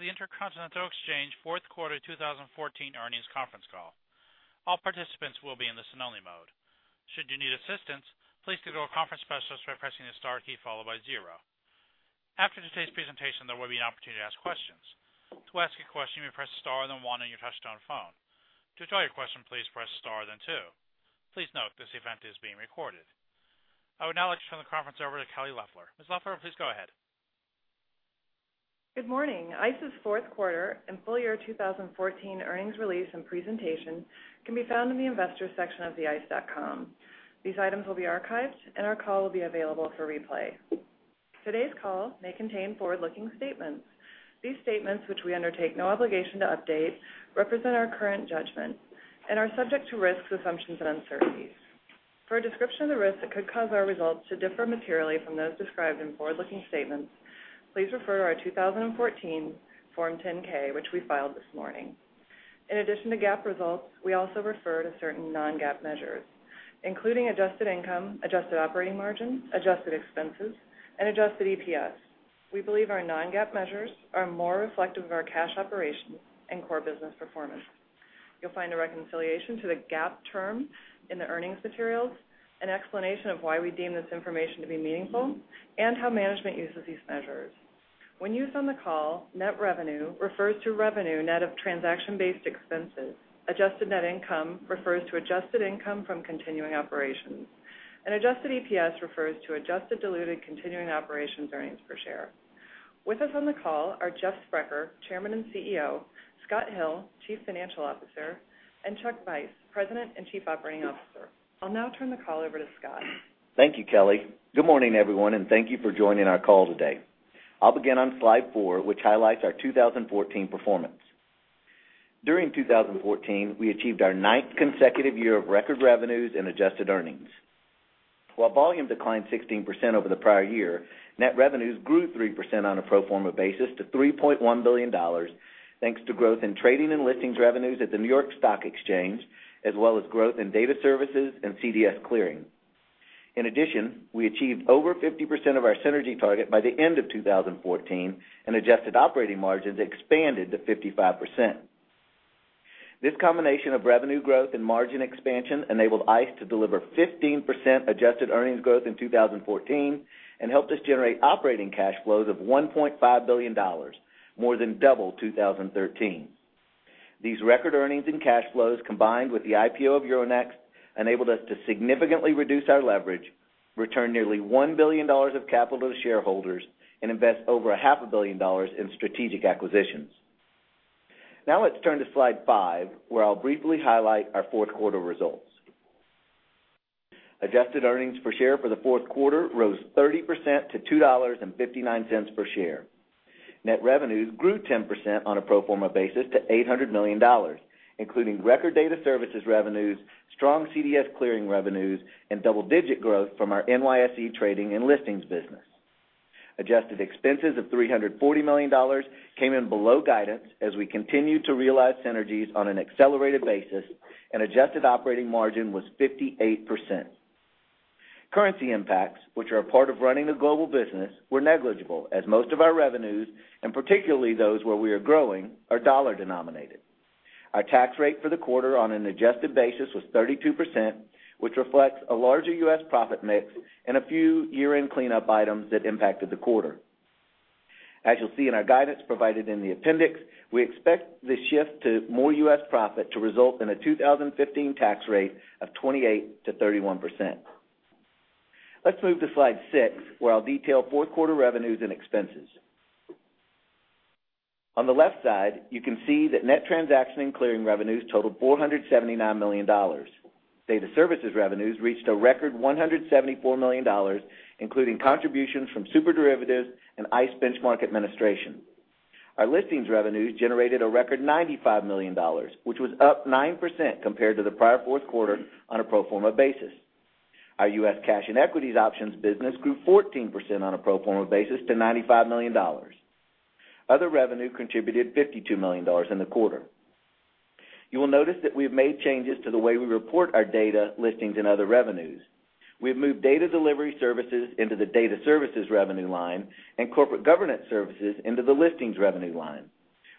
Hello, welcome to the Intercontinental Exchange fourth quarter 2014 earnings conference call. All participants will be in the listen-only mode. Should you need assistance, please go to a conference specialist by pressing the star key followed by zero. After today's presentation, there will be an opportunity to ask questions. To ask a question, you may press star, then one on your touch-tone phone. To withdraw your question, please press star, then two. Please note, this event is being recorded. I would now like to turn the conference over to Kelly Loeffler. Ms. Loeffler, please go ahead. Good morning. ICE's fourth quarter and full year 2014 earnings release and presentation can be found in the Investors section of the ice.com. These items will be archived. Our call will be available for replay. Today's call may contain forward-looking statements. These statements, which we undertake no obligation to update, represent our current judgment and are subject to risks, assumptions, and uncertainties. For a description of the risks that could cause our results to differ materially from those described in forward-looking statements, please refer to our 2014 Form 10-K, which we filed this morning. In addition to GAAP results, we also refer to certain non-GAAP measures, including adjusted income, adjusted operating margin, adjusted expenses, and adjusted EPS. We believe our non-GAAP measures are more reflective of our cash operations and core business performance. You'll find a reconciliation to the GAAP term in the earnings materials, an explanation of why we deem this information to be meaningful, and how management uses these measures. When used on the call, net revenue refers to revenue net of transaction-based expenses. Adjusted net income refers to adjusted income from continuing operations. Adjusted EPS refers to adjusted diluted continuing operations earnings per share. With us on the call are Jeffrey Sprecher, Chairman and CEO; Scott Hill, Chief Financial Officer; and Charles Vice, President and Chief Operating Officer. I'll now turn the call over to Scott. Thank you, Kelly. Good morning, everyone. Thank you for joining our call today. I'll begin on slide four, which highlights our 2014 performance. During 2014, we achieved our ninth consecutive year of record revenues and adjusted earnings. While volume declined 16% over the prior year, net revenues grew 3% on a pro forma basis to $3.1 billion, thanks to growth in trading and listings revenues at the New York Stock Exchange, as well as growth in data services and CDS clearing. In addition, we achieved over 50% of our synergy target by the end of 2014. Adjusted operating margins expanded to 55%. This combination of revenue growth and margin expansion enabled ICE to deliver 15% adjusted earnings growth in 2014 and helped us generate operating cash flows of $1.5 billion, more than double 2013. These record earnings and cash flows, combined with the IPO of Euronext, enabled us to significantly reduce our leverage, return nearly $1 billion of capital to shareholders, and invest over a half a billion dollars in strategic acquisitions. Let's turn to slide five, where I'll briefly highlight our fourth quarter results. Adjusted earnings per share for the fourth quarter rose 30% to $2.59 per share. Net revenues grew 10% on a pro forma basis to $800 million, including record data services revenues, strong CDS clearing revenues, and double-digit growth from our NYSE trading and listings business. Adjusted expenses of $340 million came in below guidance as we continued to realize synergies on an accelerated basis, and adjusted operating margin was 58%. Currency impacts, which are a part of running a global business, were negligible as most of our revenues, and particularly those where we are growing, are dollar-denominated. Our tax rate for the quarter on an adjusted basis was 32%, which reflects a larger U.S. profit mix and a few year-end cleanup items that impacted the quarter. You'll see in our guidance provided in the appendix, we expect the shift to more U.S. profit to result in a 2015 tax rate of 28%-31%. Let's move to slide six, where I'll detail fourth quarter revenues and expenses. On the left side, you can see that net transaction and clearing revenues totaled $479 million. Data services revenues reached a record $174 million, including contributions from SuperDerivatives and ICE Benchmark Administration. Our listings revenues generated a record $95 million, which was up 9% compared to the prior fourth quarter on a pro forma basis. Our U.S. cash and equities options business grew 14% on a pro forma basis to $95 million. Other revenue contributed $52 million in the quarter. You will notice that we have made changes to the way we report our data, listings, and other revenues. We have moved data delivery services into the data services revenue line and corporate governance services into the listings revenue line.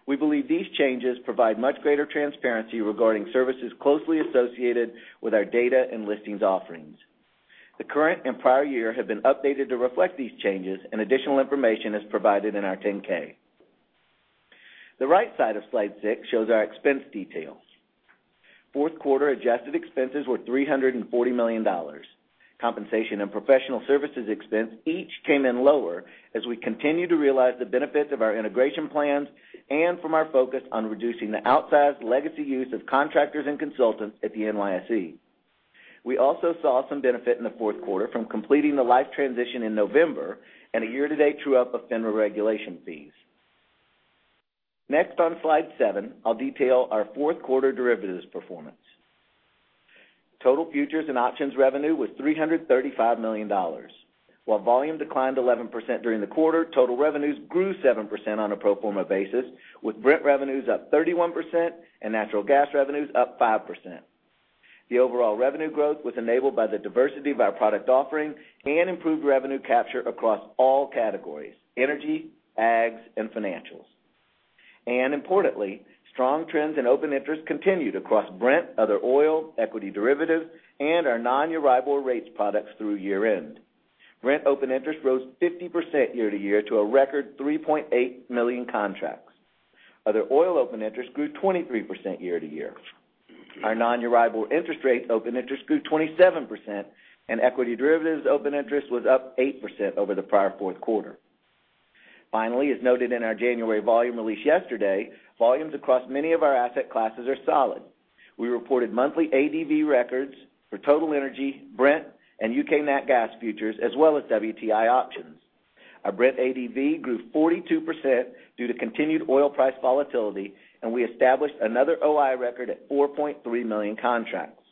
We believe these changes provide much greater transparency regarding services closely associated with our data and listings offerings. The current and prior year have been updated to reflect these changes, and additional information is provided in our 10-K. The right side of slide six shows our expense details. Fourth quarter adjusted expenses were $340 million. Compensation and professional services expense each came in lower as we continue to realize the benefits of our integration plans and from our focus on reducing the outsized legacy use of contractors and consultants at the NYSE. We also saw some benefit in the fourth quarter from completing the Liffe transition in November and a year-to-date true-up of FINRA regulation fees. Next, on slide seven, I'll detail our fourth-quarter derivatives performance. Total futures and options revenue was $335 million. While volume declined 11% during the quarter, total revenues grew 7% on a pro forma basis, with Brent revenues up 31% and natural gas revenues up 5%. The overall revenue growth was enabled by the diversity of our product offerings and improved revenue capture across all categories, energy, ags, and financials. Importantly, strong trends in open interest continued across Brent, other oil, equity derivatives, and our non-Euribor rates products through year-end. Brent open interest rose 50% year to year to a record 3.8 million contracts. Other oil open interest grew 23% year to year. Our non-Euribor interest rates open interest grew 27%, and equity derivatives open interest was up 8% over the prior fourth quarter. As noted in our January volume release yesterday, volumes across many of our asset classes are solid. We reported monthly ADV records for total energy, Brent, and UK Nat gas futures, as well as WTI options. Our Brent ADV grew 42% due to continued oil price volatility, and we established another OI record at 4.3 million contracts.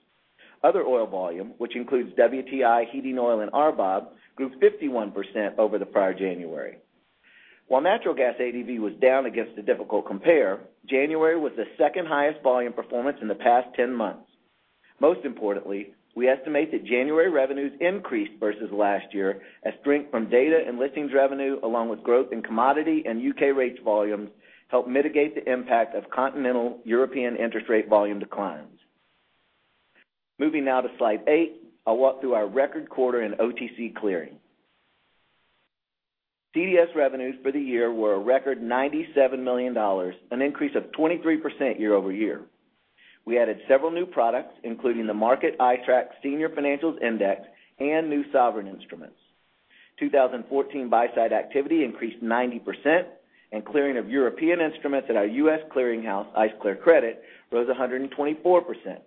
Other oil volume, which includes WTI, heating oil, and RBOB, grew 51% over the prior January. While natural gas ADV was down against a difficult compare, January was the second highest volume performance in the past 10 months. Most importantly, we estimate that January revenues increased versus last year as strength from data and listings revenue, along with growth in commodity and U.K. rates volumes, helped mitigate the impact of continental European interest rate volume declines. Moving now to slide eight, I'll walk through our record quarter in OTC clearing. CDS revenues for the year were a record $97 million, an increase of 23% year-over-year. We added several new products, including the Markit iTraxx Senior Financials Index and new sovereign instruments. 2014 buy-side activity increased 90%, and clearing of European instruments at our U.S. clearing house, ICE Clear Credit, rose 124%.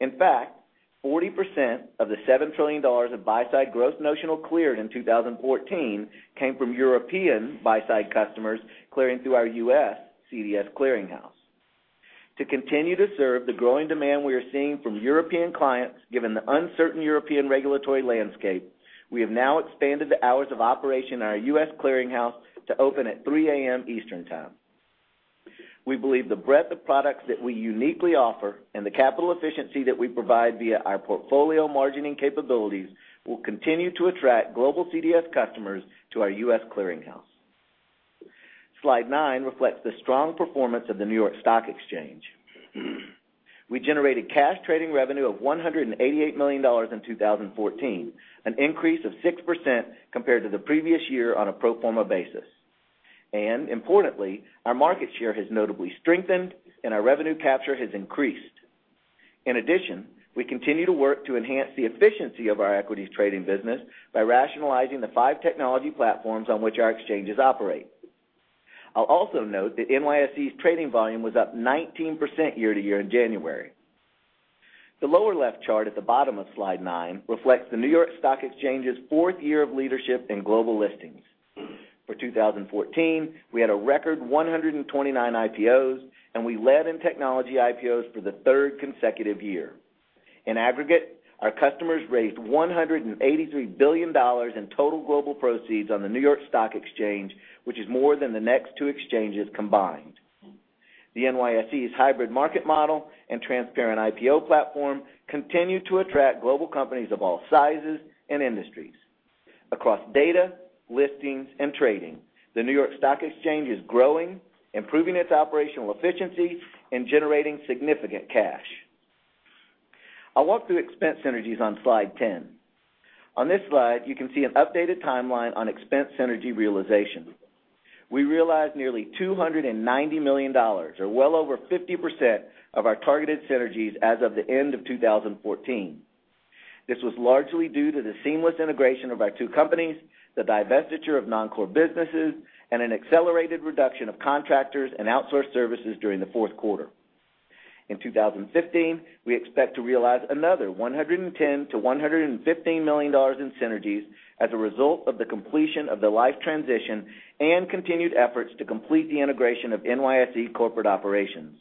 In fact, 40% of the $7 trillion of buy-side gross notional cleared in 2014 came from European buy-side customers clearing through our U.S. CDS clearing house. To continue to serve the growing demand we are seeing from European clients, given the uncertain European regulatory landscape, we have now expanded the hours of operation at our U.S. clearing house to open at 3:00 A.M. Eastern Time. We believe the breadth of products that we uniquely offer and the capital efficiency that we provide via our portfolio margining capabilities will continue to attract global CDS customers to our U.S. clearing house. Slide nine reflects the strong performance of the New York Stock Exchange. We generated cash trading revenue of $188 million in 2014, an increase of 6% compared to the previous year on a pro forma basis. Importantly, our market share has notably strengthened, and our revenue capture has increased. In addition, we continue to work to enhance the efficiency of our equities trading business by rationalizing the five technology platforms on which our exchanges operate. I'll also note that NYSE's trading volume was up 19% year-to-year in January. The lower left chart at the bottom of slide nine reflects the New York Stock Exchange's fourth year of leadership in global listings. For 2014, we had a record 129 IPOs, and we led in technology IPOs for the third consecutive year. In aggregate, our customers raised $183 billion in total global proceeds on the New York Stock Exchange, which is more than the next two exchanges combined. The NYSE's hybrid market model and transparent IPO platform continue to attract global companies of all sizes and industries. Across data, listings, and trading, the New York Stock Exchange is growing, improving its operational efficiency, and generating significant cash. I'll walk through expense synergies on slide 10. On this slide, you can see an updated timeline on expense synergy realization. We realized nearly $290 million, or well over 50% of our targeted synergies as of the end of 2014. This was largely due to the seamless integration of our two companies, the divestiture of non-core businesses, and an accelerated reduction of contractors and outsourced services during the fourth quarter. In 2015, we expect to realize another $110 million-$115 million in synergies as a result of the completion of the Liffe transition and continued efforts to complete the integration of NYSE corporate operations.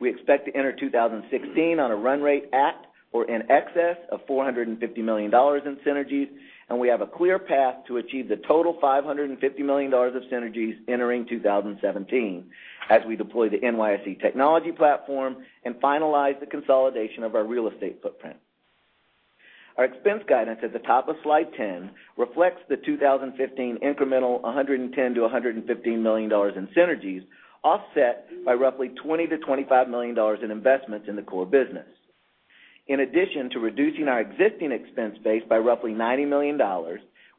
We expect to enter 2016 on a run rate at or in excess of $450 million in synergies, and we have a clear path to achieve the total $550 million of synergies entering 2017 as we deploy the NYSE technology platform and finalize the consolidation of our real estate footprint. Our expense guidance at the top of slide 10 reflects the 2015 incremental $110 million-$115 million in synergies, offset by roughly $20 million-$25 million in investments in the core business. In addition to reducing our existing expense base by roughly $90 million,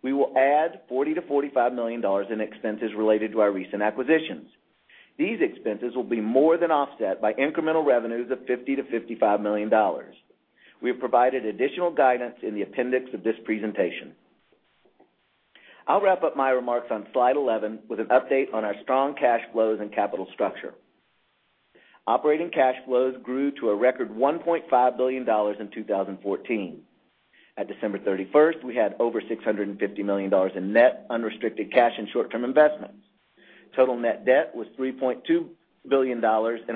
we will add $40 million-$45 million in expenses related to our recent acquisitions. These expenses will be more than offset by incremental revenues of $50 million-$55 million. We have provided additional guidance in the appendix of this presentation. I'll wrap up my remarks on slide 11 with an update on our strong cash flows and capital structure. Operating cash flows grew to a record $1.5 billion in 2014. At December 31st, we had over $650 million in net unrestricted cash and short-term investments. Total net debt was $3.2 billion, and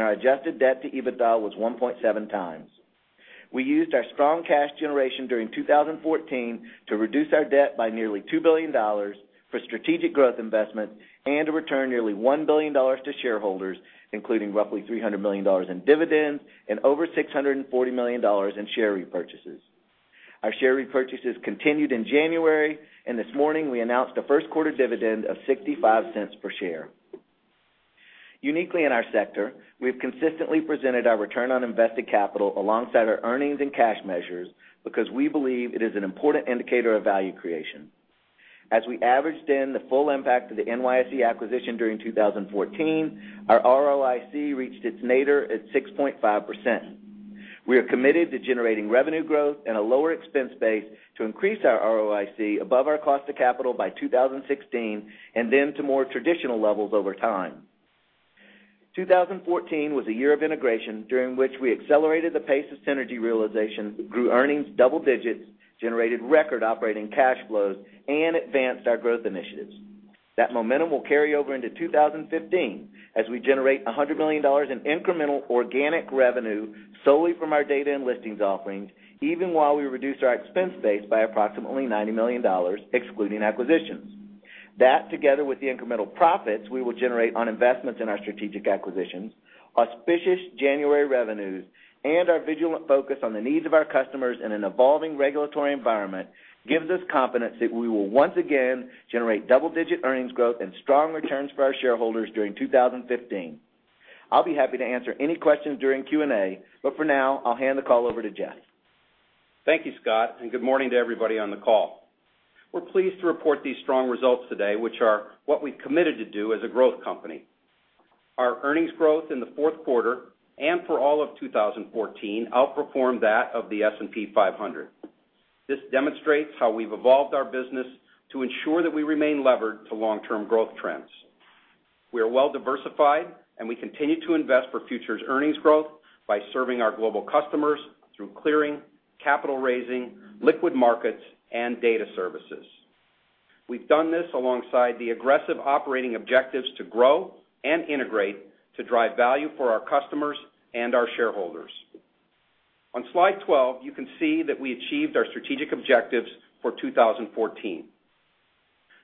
our adjusted debt to EBITDA was 1.7 times. We used our strong cash generation during 2014 to reduce our debt by nearly $2 billion for strategic growth investment and to return nearly $1 billion to shareholders, including roughly $300 million in dividends and over $640 million in share repurchases. This morning we announced a first quarter dividend of $0.65 per share. Uniquely in our sector, we've consistently presented our return on invested capital alongside our earnings and cash measures because we believe it is an important indicator of value creation. As we averaged in the full impact of the NYSE acquisition during 2014, our ROIC reached its nadir at 6.5%. We are committed to generating revenue growth and a lower expense base to increase our ROIC above our cost of capital by 2016, and then to more traditional levels over time. 2014 was a year of integration during which we accelerated the pace of synergy realization, grew earnings double digits, generated record operating cash flows, and advanced our growth initiatives. That momentum will carry over into 2015 as we generate $100 million in incremental organic revenue solely from our data and listings offerings, even while we reduce our expense base by approximately $90 million, excluding acquisitions. That, together with the incremental profits we will generate on investments in our strategic acquisitions, auspicious January revenues, and our vigilant focus on the needs of our customers in an evolving regulatory environment, gives us confidence that we will once again generate double-digit earnings growth and strong returns for our shareholders during 2015. I'll be happy to answer any questions during Q&A. For now, I'll hand the call over to Jeff. Thank you, Scott, and good morning to everybody on the call. We're pleased to report these strong results today, which are what we've committed to do as a growth company. Our earnings growth in the fourth quarter and for all of 2014 outperformed that of the S&P 500. This demonstrates how we've evolved our business to ensure that we remain levered to long-term growth trends. We are well-diversified. We continue to invest for future earnings growth by serving our global customers through clearing, capital raising, liquid markets, and data services. We've done this alongside the aggressive operating objectives to grow and integrate to drive value for our customers and our shareholders. On slide 12, you can see that we achieved our strategic objectives for 2014.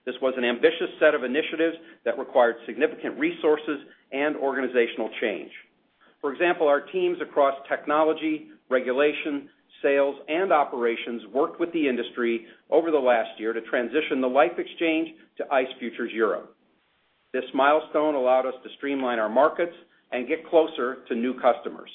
This was an ambitious set of initiatives that required significant resources and organizational change. For example, our teams across technology, regulation, sales, and operations worked with the industry over the last year to transition the Liffe exchange to ICE Futures Europe. This milestone allowed us to streamline our markets and get closer to new customers.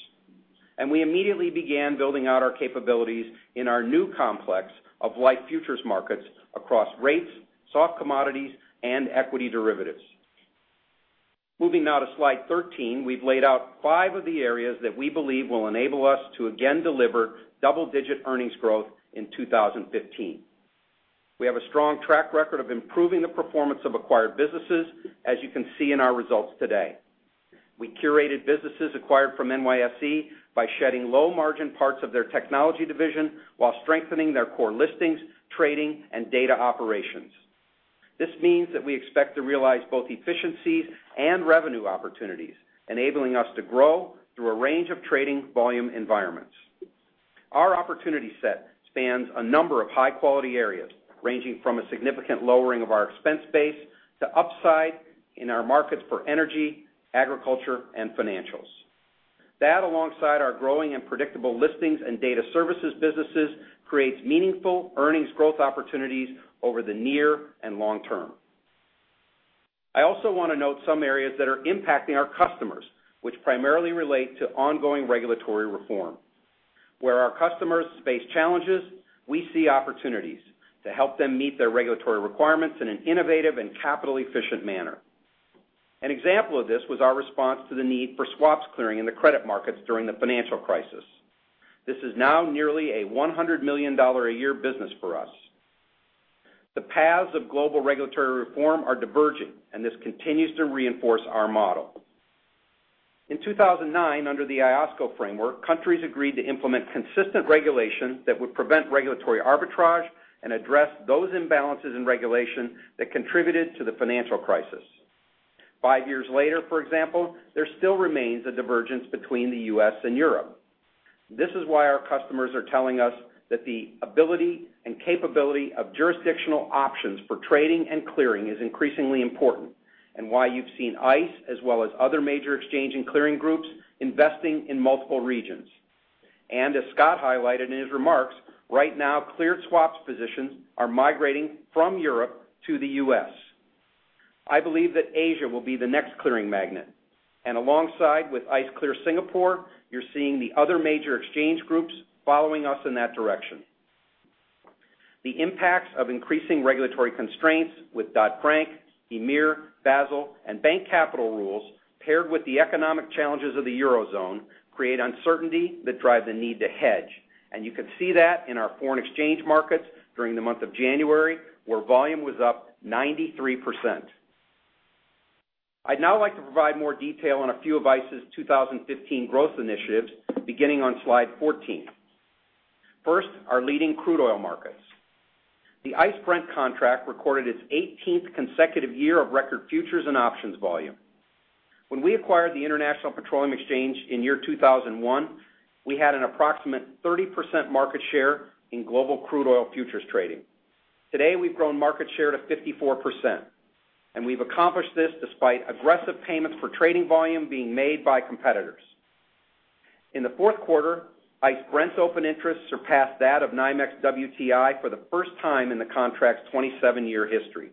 We immediately began building out our capabilities in our new complex of Liffe Futures markets across rates, soft commodities, and equity derivatives. Moving now to slide 13, we've laid out five of the areas that we believe will enable us to again deliver double-digit earnings growth in 2015. We have a strong track record of improving the performance of acquired businesses, as you can see in our results today. We curated businesses acquired from NYSE by shedding low-margin parts of their technology division while strengthening their core listings, trading, and data operations. This means that we expect to realize both efficiencies and revenue opportunities, enabling us to grow through a range of trading volume environments. Our opportunity set spans a number of high-quality areas, ranging from a significant lowering of our expense base to upside in our markets for energy, agriculture, and financials. That, alongside our growing and predictable listings and data services businesses, creates meaningful earnings growth opportunities over the near and long term. I also want to note some areas that are impacting our customers, which primarily relate to ongoing regulatory reform. Where our customers face challenges, we see opportunities to help them meet their regulatory requirements in an innovative and capital-efficient manner. An example of this was our response to the need for swaps clearing in the credit markets during the financial crisis. This is now nearly a $100 million a year business for us. The paths of global regulatory reform are diverging. This continues to reinforce our model. In 2009, under the IOSCO framework, countries agreed to implement consistent regulation that would prevent regulatory arbitrage and address those imbalances in regulation that contributed to the financial crisis. Five years later, for example, there still remains a divergence between the U.S. and Europe. This is why our customers are telling us that the ability and capability of jurisdictional options for trading and clearing is increasingly important, and why you've seen ICE, as well as other major exchange and clearing groups, investing in multiple regions. As Scott highlighted in his remarks, right now, cleared swaps positions are migrating from Europe to the U.S. I believe that Asia will be the next clearing magnet, and alongside with ICE Clear Singapore, you're seeing the other major exchange groups following us in that direction. The impacts of increasing regulatory constraints with Dodd-Frank, EMIR, Basel, and Bank Capital Rules, paired with the economic challenges of the Eurozone, create uncertainty that drive the need to hedge. You can see that in our foreign exchange markets during the month of January, where volume was up 93%. I'd now like to provide more detail on a few of ICE's 2015 growth initiatives, beginning on slide 14. First, our leading crude oil markets The ICE Brent contract recorded its 18th consecutive year of record futures and options volume. When we acquired the International Petroleum Exchange in year 2001, we had an approximate 30% market share in global crude oil futures trading. Today, we've grown market share to 54%, we've accomplished this despite aggressive payments for trading volume being made by competitors. In the fourth quarter, ICE Brent open interest surpassed that of NYMEX WTI for the first time in the contract's 27-year history.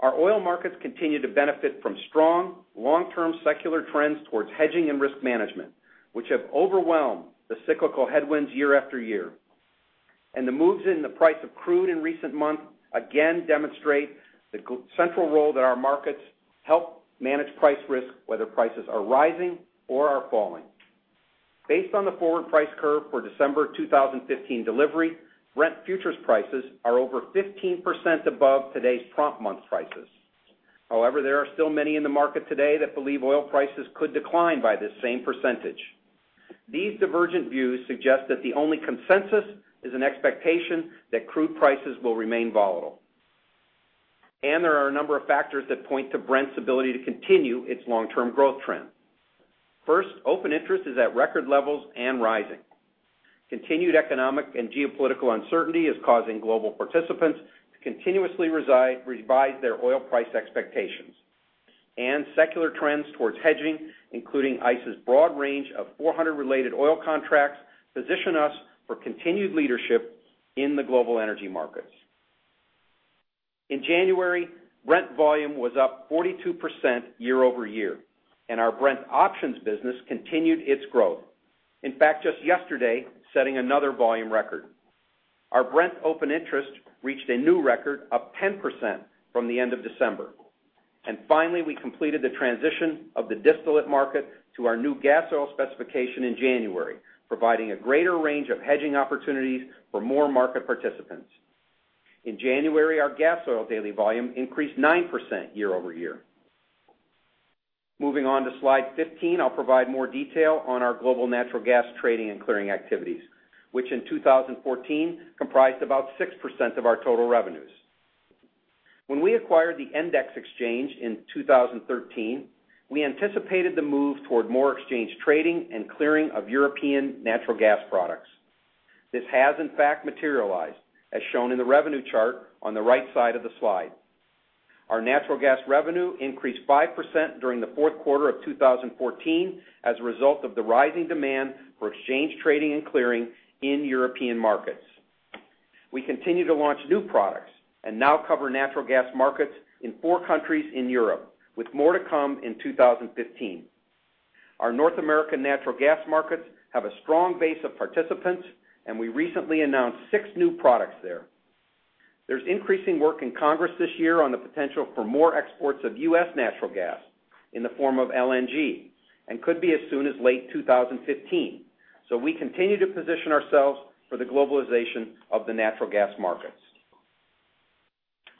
Our oil markets continue to benefit from strong, long-term secular trends towards hedging and risk management, which have overwhelmed the cyclical headwinds year-after-year. The moves in the price of crude in recent months again demonstrate the central role that our markets help manage price risk, whether prices are rising or are falling. Based on the forward price curve for December 2015 delivery, Brent futures prices are over 15% above today's prompt month prices. However, there are still many in the market today that believe oil prices could decline by this same percentage. These divergent views suggest that the only consensus is an expectation that crude prices will remain volatile. There are a number of factors that point to Brent's ability to continue its long-term growth trend. First, open interest is at record levels and rising. Continued economic and geopolitical uncertainty is causing global participants to continuously revise their oil price expectations. Secular trends towards hedging, including ICE's broad range of 400 related oil contracts, position us for continued leadership in the global energy markets. In January, Brent volume was up 42% year-over-year, and our Brent options business continued its growth. In fact, just yesterday, setting another volume record. Our Brent open interest reached a new record, up 10% from the end of December. Finally, we completed the transition of the distillate market to our new Gas Oil specification in January, providing a greater range of hedging opportunities for more market participants. In January, our Gas Oil daily volume increased 9% year-over-year. Moving on to slide 15, I'll provide more detail on our global natural gas trading and clearing activities, which in 2014 comprised about 6% of our total revenues. When we acquired the Endex Exchange in 2013, we anticipated the move toward more exchange trading and clearing of European natural gas products. This has, in fact, materialized, as shown in the revenue chart on the right side of the slide. Our natural gas revenue increased 5% during the fourth quarter of 2014 as a result of the rising demand for exchange trading and clearing in European markets. We continue to launch new products and now cover natural gas markets in four countries in Europe, with more to come in 2015. Our North American natural gas markets have a strong base of participants, we recently announced six new products there. There's increasing work in Congress this year on the potential for more exports of U.S. natural gas in the form of LNG, and could be as soon as late 2015. We continue to position ourselves for the globalization of the natural gas markets.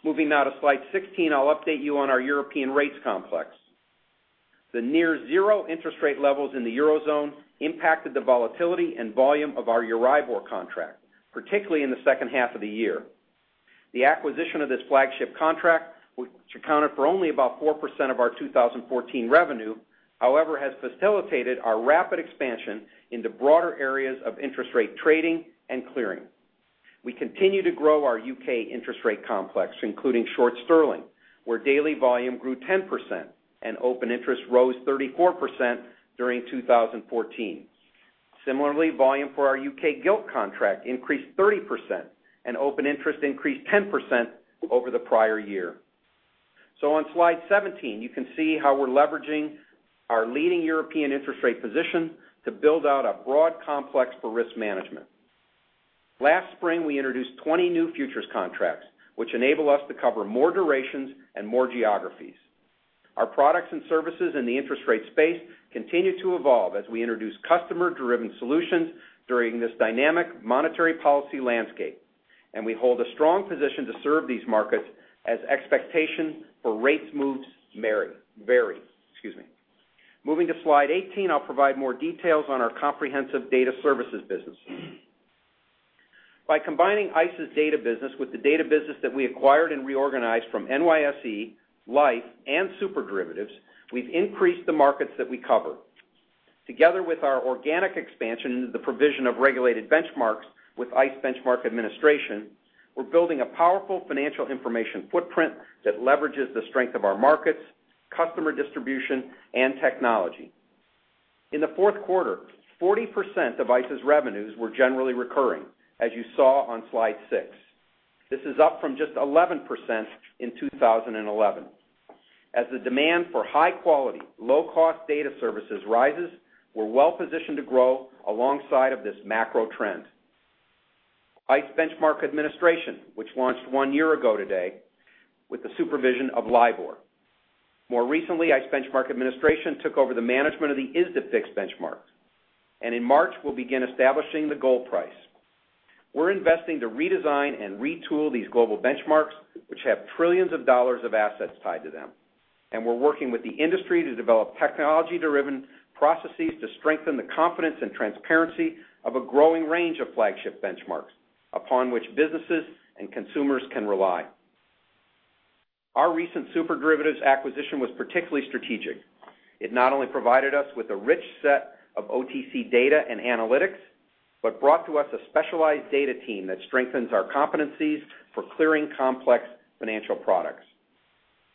Moving now to slide 16, I'll update you on our European rates complex. The near zero interest rate levels in the Eurozone impacted the volatility and volume of our Euribor contract, particularly in the second half of the year. The acquisition of this flagship contract, which accounted for only about 4% of our 2014 revenue, however, has facilitated our rapid expansion into broader areas of interest rate trading and clearing. We continue to grow our U.K. interest rate complex, including Short Sterling, where daily volume grew 10% and open interest rose 34% during 2014. Similarly, volume for our U.K. Gilt contract increased 30%, and open interest increased 10% over the prior year. On slide 17, you can see how we're leveraging our leading European interest rate position to build out a broad complex for risk management. Last spring, we introduced 20 new futures contracts, which enable us to cover more durations and more geographies. Our products and services in the interest rate space continue to evolve as we introduce customer-driven solutions during this dynamic monetary policy landscape, and we hold a strong position to serve these markets as expectations for rates moves vary. Moving to slide 18, I'll provide more details on our comprehensive data services business. By combining ICE's data business with the data business that we acquired and reorganized from NYSE, Liffe, and SuperDerivatives, we've increased the markets that we cover. Together with our organic expansion into the provision of regulated benchmarks with ICE Benchmark Administration, we're building a powerful financial information footprint that leverages the strength of our markets, customer distribution, and technology. In the fourth quarter, 40% of ICE's revenues were generally recurring, as you saw on slide six. This is up from just 11% in 2011. As the demand for high-quality, low-cost data services rises, we're well-positioned to grow alongside of this macro trend. ICE Benchmark Administration, which launched one year ago today with the supervision of LIBOR. More recently, ICE Benchmark Administration took over the management of the ISDAfix benchmark, and in March, we'll begin establishing the gold price. We're investing to redesign and retool these global benchmarks, which have trillions of dollars of assets tied to them. We're working with the industry to develop technology-driven processes to strengthen the confidence and transparency of a growing range of flagship benchmarks, upon which businesses and consumers can rely. Our recent SuperDerivatives acquisition was particularly strategic. It not only provided us with a rich set of OTC data and analytics, but brought to us a specialized data team that strengthens our competencies for clearing complex financial products.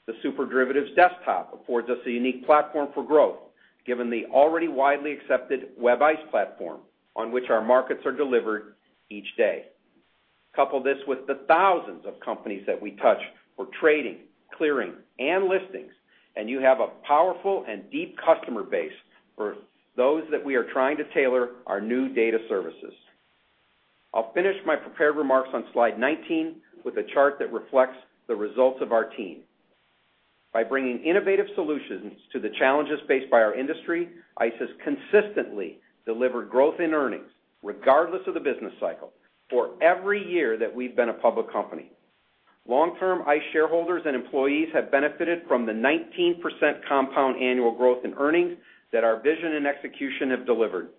The SuperDerivatives desktop affords us a unique platform for growth, given the already widely accepted WebICE platform on which our markets are delivered each day. Couple this with the thousands of companies that we touch for trading, clearing, and listings, and you have a powerful and deep customer base for those that we are trying to tailor our new data services. I'll finish my prepared remarks on slide 19 with a chart that reflects the results of our team. By bringing innovative solutions to the challenges faced by our industry, ICE has consistently delivered growth in earnings, regardless of the business cycle, for every year that we've been a public company. Long-term ICE shareholders and employees have benefited from the 19% compound annual growth in earnings that our vision and execution have delivered.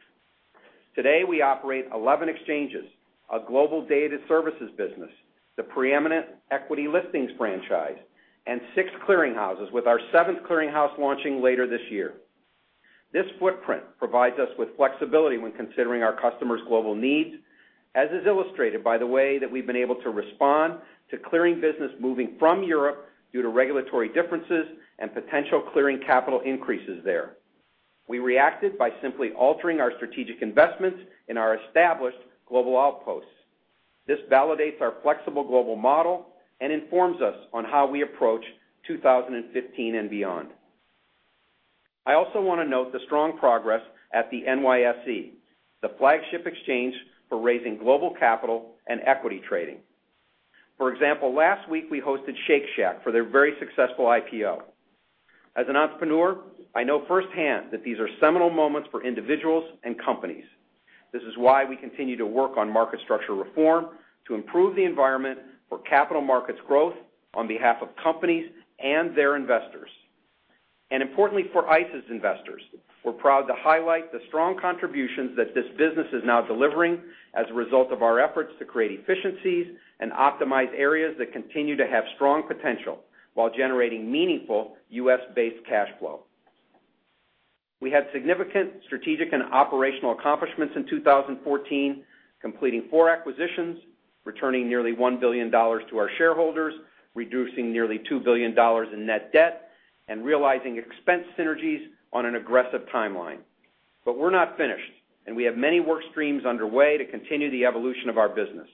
Today, we operate 11 exchanges, a global data services business, the preeminent equity listings franchise, and six clearing houses, with our seventh clearing house launching later this year. This footprint provides us with flexibility when considering our customers' global needs, as is illustrated by the way that we've been able to respond to clearing business moving from Europe due to regulatory differences and potential clearing capital increases there. We reacted by simply altering our strategic investments in our established global outposts. This validates our flexible global model and informs us on how we approach 2015 and beyond. I also want to note the strong progress at the NYSE, the flagship exchange for raising global capital and equity trading. For example, last week we hosted Shake Shack for their very successful IPO. As an entrepreneur, I know firsthand that these are seminal moments for individuals and companies. This is why we continue to work on market structure reform to improve the environment for capital markets growth on behalf of companies and their investors. Importantly, for ICE's investors, we're proud to highlight the strong contributions that this business is now delivering as a result of our efforts to create efficiencies and optimize areas that continue to have strong potential while generating meaningful U.S.-based cash flow. We had significant strategic and operational accomplishments in 2014, completing four acquisitions, returning nearly $1 billion to our shareholders, reducing nearly $2 billion in net debt, and realizing expense synergies on an aggressive timeline. We're not finished, and we have many work streams underway to continue the evolution of our business.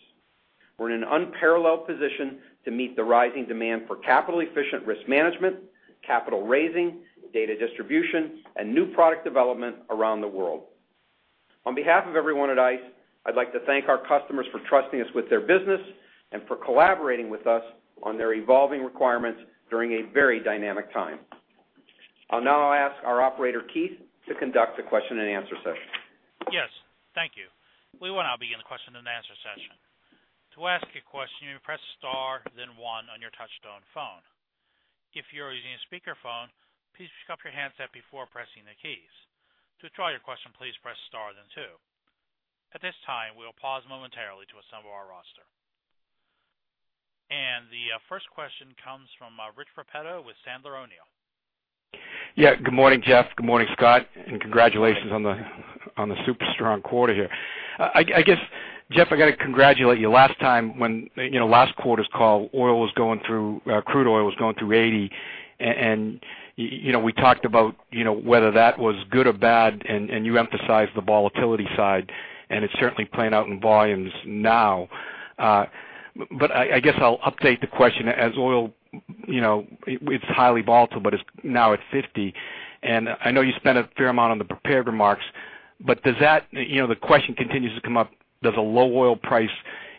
We're in an unparalleled position to meet the rising demand for capital-efficient risk management, capital raising, data distribution, and new product development around the world. On behalf of everyone at ICE, I'd like to thank our customers for trusting us with their business and for collaborating with us on their evolving requirements during a very dynamic time. I'll now ask our operator, Keith, to conduct the question and answer session. Yes. Thank you. We will now begin the question and answer session. To ask a question, press star then one on your touch-tone phone. If you're using a speakerphone, please pick up your handset before pressing the keys. To withdraw your question, please press star then two. At this time, we will pause momentarily to assemble our roster. The first question comes from Rich Repetto with Sandler O'Neill. Good morning, Jeff. Good morning, Scott, and congratulations on the super strong quarter here. I guess, Jeff, I got to congratulate you. Last quarter's call, crude oil was going through $80. We talked about whether that was good or bad. You emphasized the volatility side, and it's certainly playing out in volumes now. I guess I'll update the question. As oil, it's highly volatile, it's now at $50. I know you spent a fair amount on the prepared remarks, but the question continues to come up.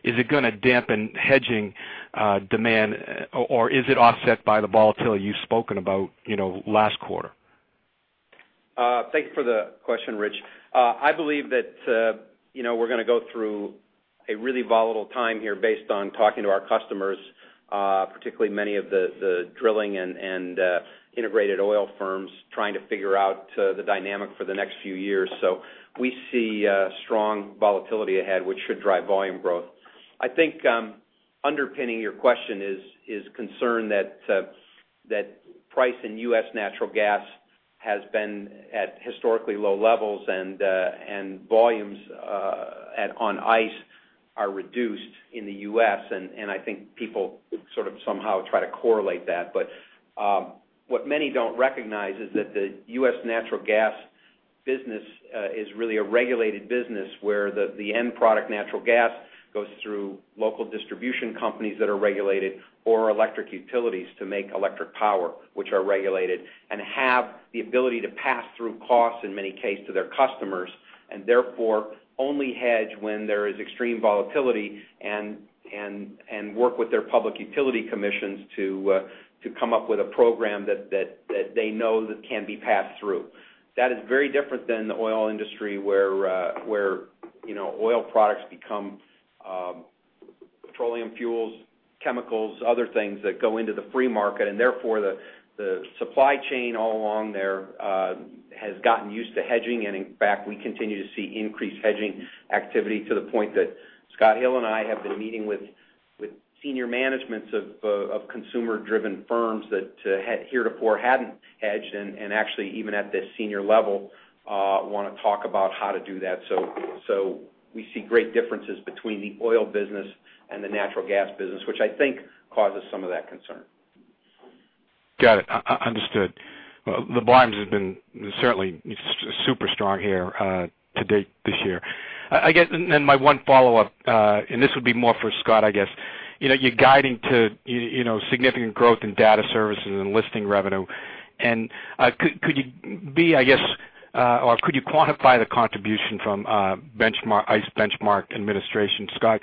Is it going to dampen hedging demand, or is it offset by the volatility you've spoken about last quarter? Thanks for the question, Rich. I believe that we're going to go through a really volatile time here based on talking to our customers, particularly many of the drilling and integrated oil firms trying to figure out the dynamic for the next few years. We see strong volatility ahead, which should drive volume growth. I think underpinning your question is concern that price in U.S. natural gas has been at historically low levels and volumes on ICE are reduced in the U.S. I think people sort of somehow try to correlate that. What many don't recognize is that the U.S. natural gas business is really a regulated business where the end product, natural gas, goes through local distribution companies that are regulated or electric utilities to make electric power, which are regulated, and have the ability to pass through costs, in many cases, to their customers. Therefore, only hedge when there is extreme volatility and work with their public utility commissions to come up with a program that they know that can be passed through. That is very different than the oil industry where oil products become petroleum fuels, chemicals, other things that go into the free market. Therefore, the supply chain all along there has gotten used to hedging. In fact, we continue to see increased hedging activity to the point that Scott Hill and I have been meeting with senior managements of consumer-driven firms that heretofore hadn't hedged, and actually even at the senior level, want to talk about how to do that. We see great differences between the oil business and the natural gas business, which I think causes some of that concern. Got it. Understood. The volumes have been certainly super strong here to date this year. I guess, my one follow-up, and this would be more for Scott, I guess. You're guiding to significant growth in data services and listing revenue. Could you quantify the contribution from ICE Benchmark Administration, Scott?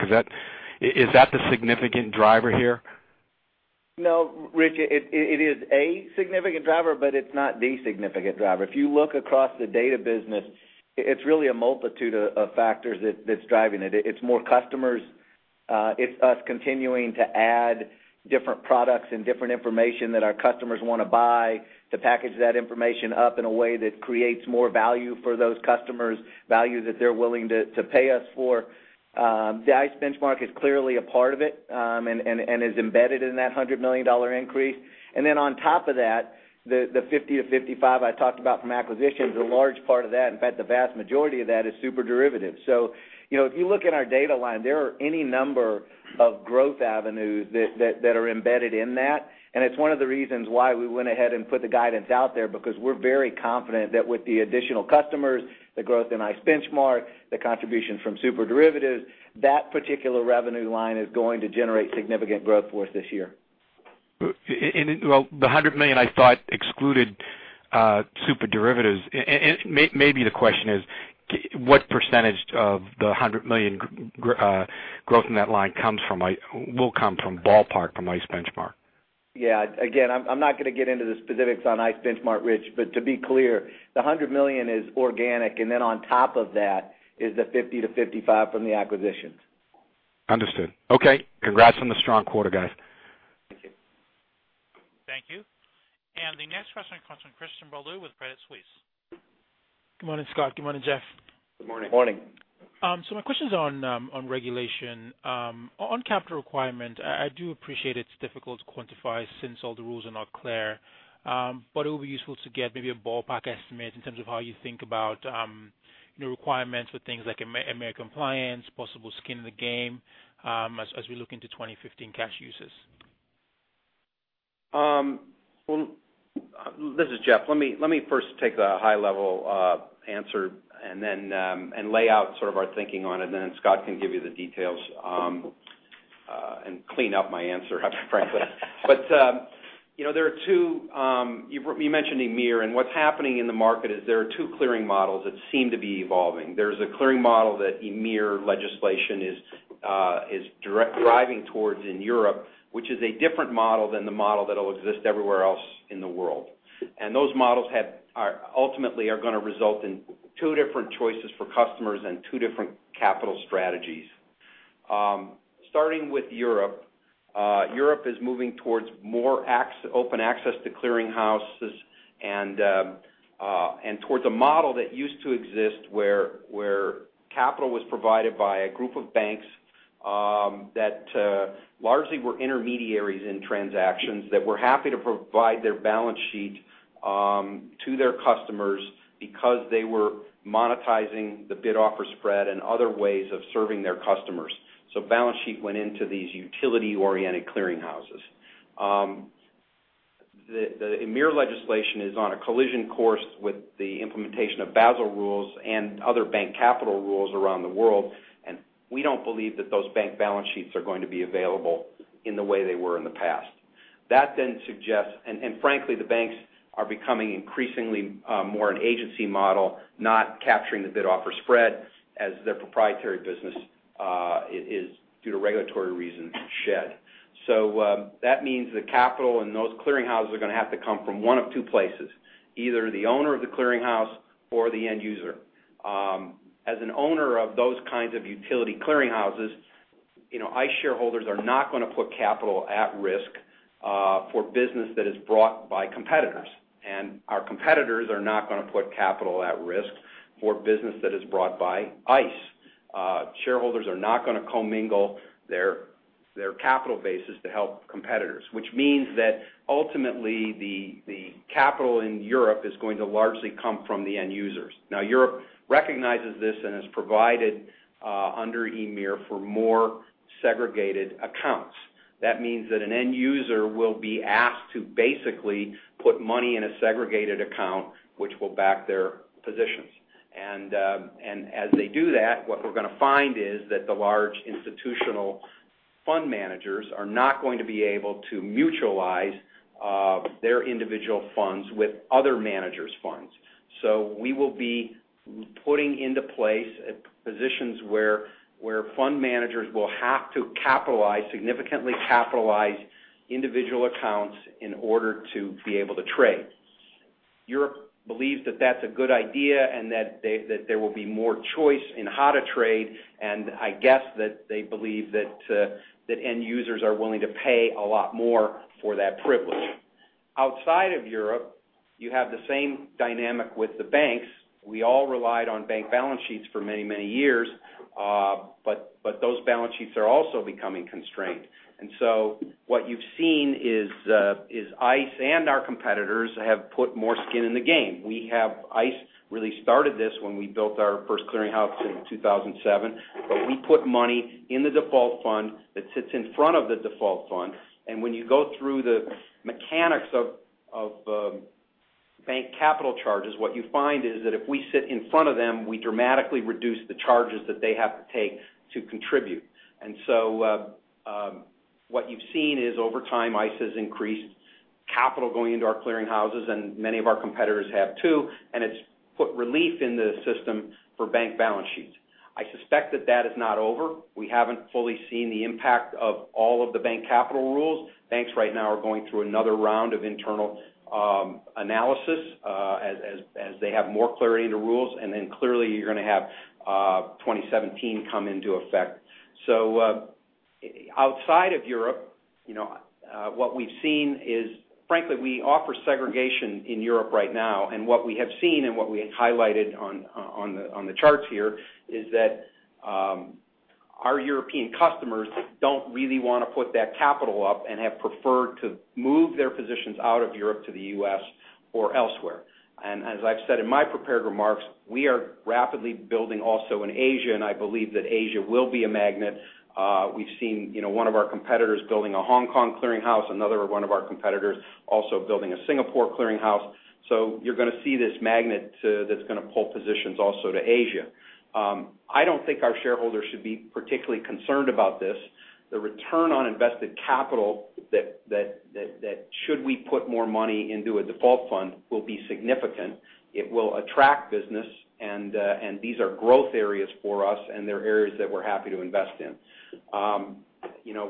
Is that the significant driver here? No, Richard, it is a significant driver, but it's not the significant driver. If you look across the data business, it's really a multitude of factors that's driving it. It's more customers. It's us continuing to add different products and different information that our customers want to buy to package that information up in a way that creates more value for those customers, value that they're willing to pay us for. The ICE Benchmark is clearly a part of it, and is embedded in that $100 million increase. On top of that, the $50 million to $55 million I talked about from acquisitions, a large part of that, in fact, the vast majority of that is SuperDerivatives. If you look in our data line, there are any number of growth avenues that are embedded in that. It's one of the reasons why we went ahead and put the guidance out there because we're very confident that with the additional customers, the growth in ICE Benchmark, the contribution from SuperDerivatives, that particular revenue line is going to generate significant growth for us this year. Well, the $100 million, I thought, excluded SuperDerivatives. Maybe the question is, what percentage of the $100 million growth in that line will come from ballpark from ICE Benchmark? Yeah. Again, I'm not going to get into the specifics on ICE Benchmark, Richard, to be clear, the $100 million is organic, on top of that is the $50 million to $55 million from the acquisitions. Understood. Okay. Congrats on the strong quarter, guys. Thank you. Thank you. The next question comes from Christian Bolu with Credit Suisse. Good morning, Scott. Good morning, Jeff. Good morning. Morning. My question's on regulation. On capital requirement, I do appreciate it's difficult to quantify since all the rules are not clear. It will be useful to get maybe a ballpark estimate in terms of how you think about new requirements for things like EMIR compliance, possible skin in the game, as we look into 2015 cash uses. Well, this is Jeff. Let me first take the high-level answer and lay out sort of our thinking on it, and then Scott can give you the details, and clean up my answer, frankly. You mentioned EMIR, and what's happening in the market is there are two clearing models that seem to be evolving. There's a clearing model that EMIR legislation is driving towards in Europe, which is a different model than the model that'll exist everywhere else in the world. Those models ultimately are going to result in two different choices for customers and two different capital strategies. Starting with Europe. Europe is moving towards more open access to clearing houses and towards a model that used to exist where capital was provided by a group of banks that largely were intermediaries in transactions that were happy to provide their balance sheet to their customers because they were monetizing the bid-offer spread and other ways of serving their customers. Balance sheet went into these utility-oriented clearing houses. The EMIR legislation is on a collision course with the implementation of Basel rules and other bank capital rules around the world, and we don't believe that those bank balance sheets are going to be available in the way they were in the past. That then suggests, and frankly, the banks are becoming increasingly more an agency model, not capturing the bid-offer spread as their proprietary business is, due to regulatory reasons, shed. That means the capital and those clearing houses are going to have to come from one of two places, either the owner of the clearing house or the end user. As an owner of those kinds of utility clearing houses, ICE shareholders are not going to put capital at risk for business that is brought by competitors. Our competitors are not going to put capital at risk for business that is brought by ICE. Shareholders are not going to commingle their capital bases to help competitors, which means that ultimately the capital in Europe is going to largely come from the end users. Europe recognizes this and has provided under EMIR for more segregated accounts. That means that an end user will be asked to basically put money in a segregated account, which will back their positions. As they do that, what we're going to find is that the large institutional fund managers are not going to be able to mutualize their individual funds with other managers' funds. We will be putting into place positions where fund managers will have to capitalize, significantly capitalize individual accounts in order to be able to trade. Europe believes that that's a good idea and that there will be more choice in how to trade, and I guess that they believe that end users are willing to pay a lot more for that privilege. Outside of Europe, you have the same dynamic with the banks. We all relied on bank balance sheets for many years. Those balance sheets are also becoming constrained. What you've seen is ICE and our competitors have put more skin in the game. ICE really started this when we built our first clearinghouse in 2007. We put money in the default fund that sits in front of the default fund. When you go through the mechanics of bank capital charges, what you find is that if we sit in front of them, we dramatically reduce the charges that they have to take to contribute. What you've seen is, over time, ICE has increased capital going into our clearinghouses, and many of our competitors have too, and it's put relief in the system for bank balance sheets. I suspect that that is not over. We haven't fully seen the impact of all of the bank capital rules. Banks right now are going through another round of internal analysis, as they have more clarity into rules. Clearly, you're going to have 2017 come into effect. Outside of Europe, what we've seen is, frankly, we offer segregation in Europe right now, and what we have seen and what we have highlighted on the charts here is that our European customers don't really want to put that capital up and have preferred to move their positions out of Europe to the U.S. or elsewhere. As I've said in my prepared remarks, we are rapidly building also in Asia, and I believe that Asia will be a magnet. We've seen one of our competitors building a Hong Kong clearinghouse, another one of our competitors also building a Singapore clearinghouse. You're going to see this magnet that's going to pull positions also to Asia. I don't think our shareholders should be particularly concerned about this. The return on invested capital, that should we put more money into a default fund, will be significant. It will attract business, and these are growth areas for us, and they're areas that we're happy to invest in.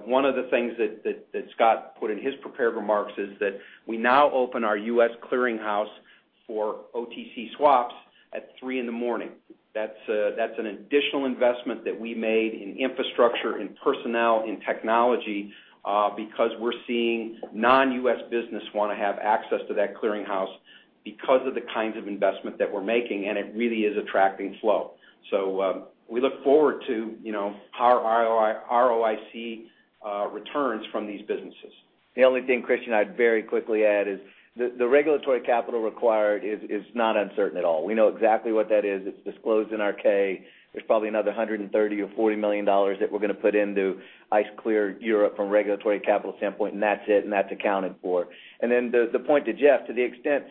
One of the things that Scott Hill put in his prepared remarks is that we now open our U.S. clearinghouse for OTC swaps at 3:00 A.M. That's an additional investment that we made in infrastructure, in personnel, in technology, because we're seeing non-U.S. business want to have access to that clearinghouse because of the kinds of investment that we're making, and it really is attracting flow. We look forward to our ROIC returns from these businesses. The only thing, Christian Bolu, I'd very quickly add is the regulatory capital required is not uncertain at all. We know exactly what that is. It's disclosed in our 10-K. There's probably another $130 million or $140 million that we're going to put into ICE Clear Europe from a regulatory capital standpoint, and that's it, and that's accounted for. The point to Jeffrey Sprecher, to the extent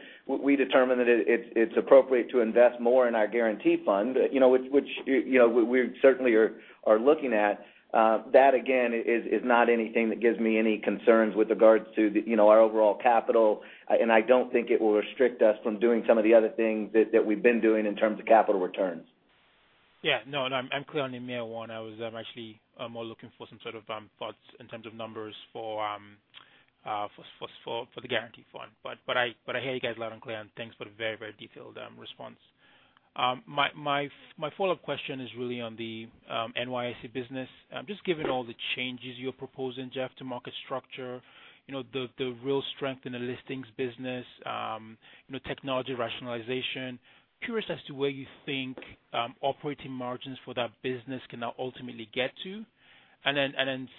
we determine that it's appropriate to invest more in our guarantee fund, which we certainly are looking at, that again, is not anything that gives me any concerns with regards to our overall capital. I don't think it will restrict us from doing some of the other things that we've been doing in terms of capital returns. I'm clear on the MAA one. I was actually more looking for some sort of thoughts in terms of numbers for the guarantee fund. I hear you guys loud and clear, and thanks for the very detailed response. My follow-up question is really on the NYSE business. Just given all the changes you're proposing, Jeffrey Sprecher, to market structure, the real strength in the listings business, technology rationalization, curious as to where you think operating margins for that business can now ultimately get to.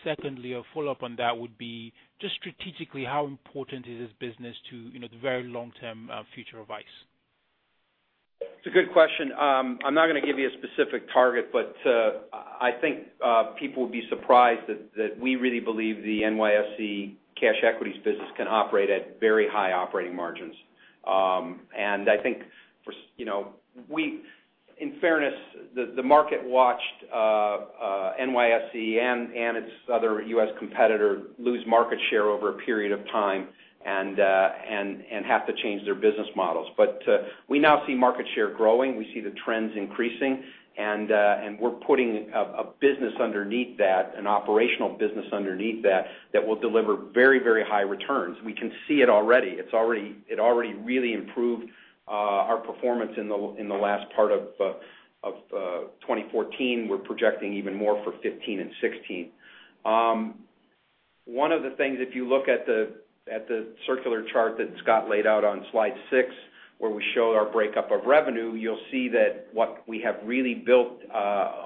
Secondly, a follow-up on that would be just strategically, how important is this business to the very long-term future of ICE? It's a good question. I'm not going to give you a specific target, but I think people will be surprised that we really believe the NYSE cash equities business can operate at very high operating margins. I think, in fairness, the market watched NYSE and its other U.S. competitor lose market share over a period of time and have to change their business models. We now see market share growing. We see the trends increasing, we're putting a business underneath that, an operational business underneath that will deliver very high returns. We can see it already. It already really improved our performance in the last part of 2014. We're projecting even more for 2015 and 2016. One of the things, if you look at the circular chart that Scott laid out on slide six, where we show our breakup of revenue, you'll see that what we have really built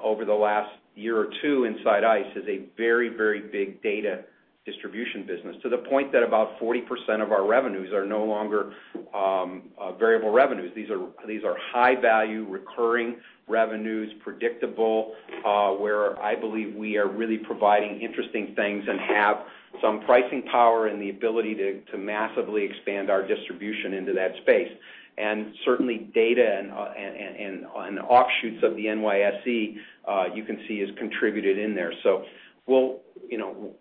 over the last year or two inside ICE is a very big data distribution business, to the point that about 40% of our revenues are no longer variable revenues. These are high-value, recurring revenues, predictable, where I believe we are really providing interesting things and have some pricing power and the ability to massively expand our distribution into that space. Certainly, data and offshoots of the NYSE, you can see, has contributed in there.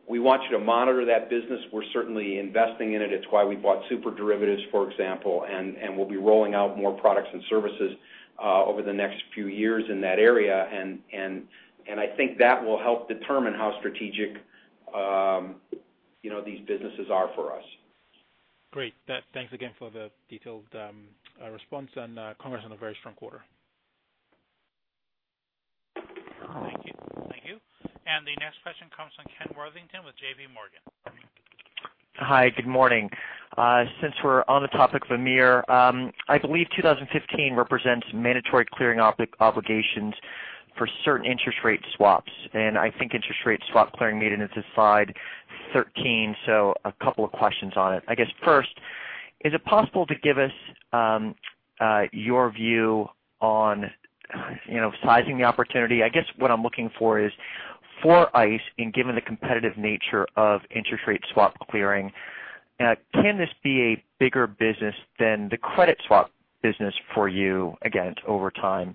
We want you to monitor that business. We're certainly investing in it. It's why we bought SuperDerivatives, for example, and we'll be rolling out more products and services over the next few years in that area. I think that will help determine how strategic these businesses are for us. Great. Thanks again for the detailed response and congrats on a very strong quarter. Thank you. The next question comes from Ken Worthington with JPMorgan. Hi, good morning. Since we're on the topic of EMIR, I believe 2015 represents mandatory clearing obligations for certain interest rate swaps. I think interest rate swap clearing made it into slide 13, so a couple of questions on it. I guess first, is it possible to give us your view on sizing the opportunity? I guess what I'm looking for is for ICE, given the competitive nature of interest rate swap clearing, can this be a bigger business than the credit swap business for you again, over time?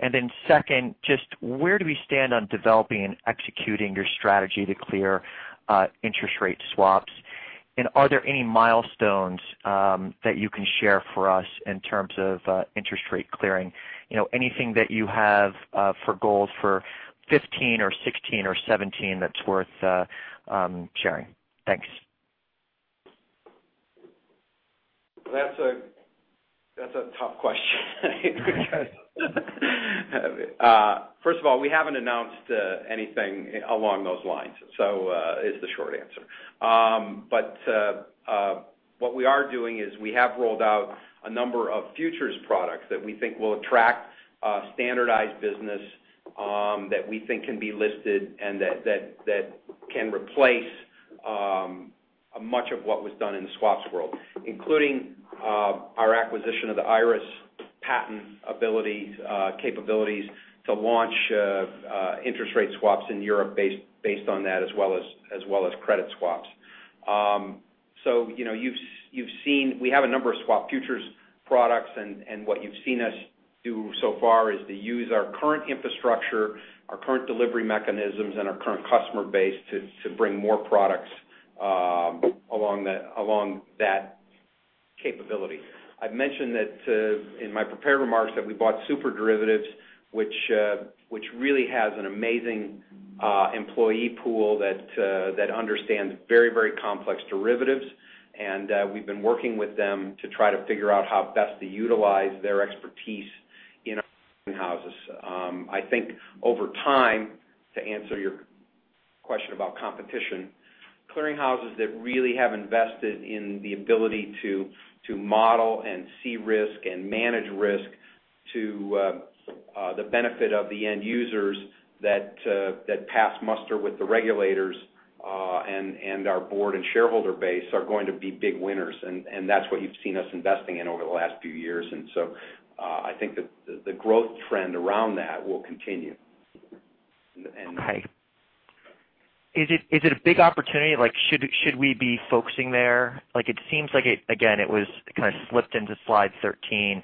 Then second, just where do we stand on developing and executing your strategy to clear interest rate swaps? Are there any milestones that you can share for us in terms of interest rate clearing? Anything that you have for goals for 2015 or 2016 or 2017 that's worth sharing. Thanks. That's a tough question because first of all, we haven't announced anything along those lines, is the short answer. What we are doing is we have rolled out a number of futures products that we think will attract standardized business, that we think can be listed, and that can replace much of what was done in the swaps world, including our acquisition of the Eris patent capabilities to launch interest rate swaps in Europe based on that, as well as credit swaps. We have a number of swap futures products, and what you've seen us do so far is to use our current infrastructure, our current delivery mechanisms, and our current customer base to bring more products along that capability. I've mentioned in my prepared remarks that we bought SuperDerivatives, which really has an amazing employee pool that understands very complex derivatives. We've been working with them to try to figure out how best to utilize their expertise in our clearing houses. I think over time, to answer your question about competition, clearing houses that really have invested in the ability to model and see risk and manage risk to the benefit of the end users that pass muster with the regulators and our board and shareholder base are going to be big winners, and that's what you've seen us investing in over the last few years. I think that the growth trend around that will continue. Right. Is it a big opportunity? Should we be focusing there? It seems like, again, it was kind of slipped into slide 13.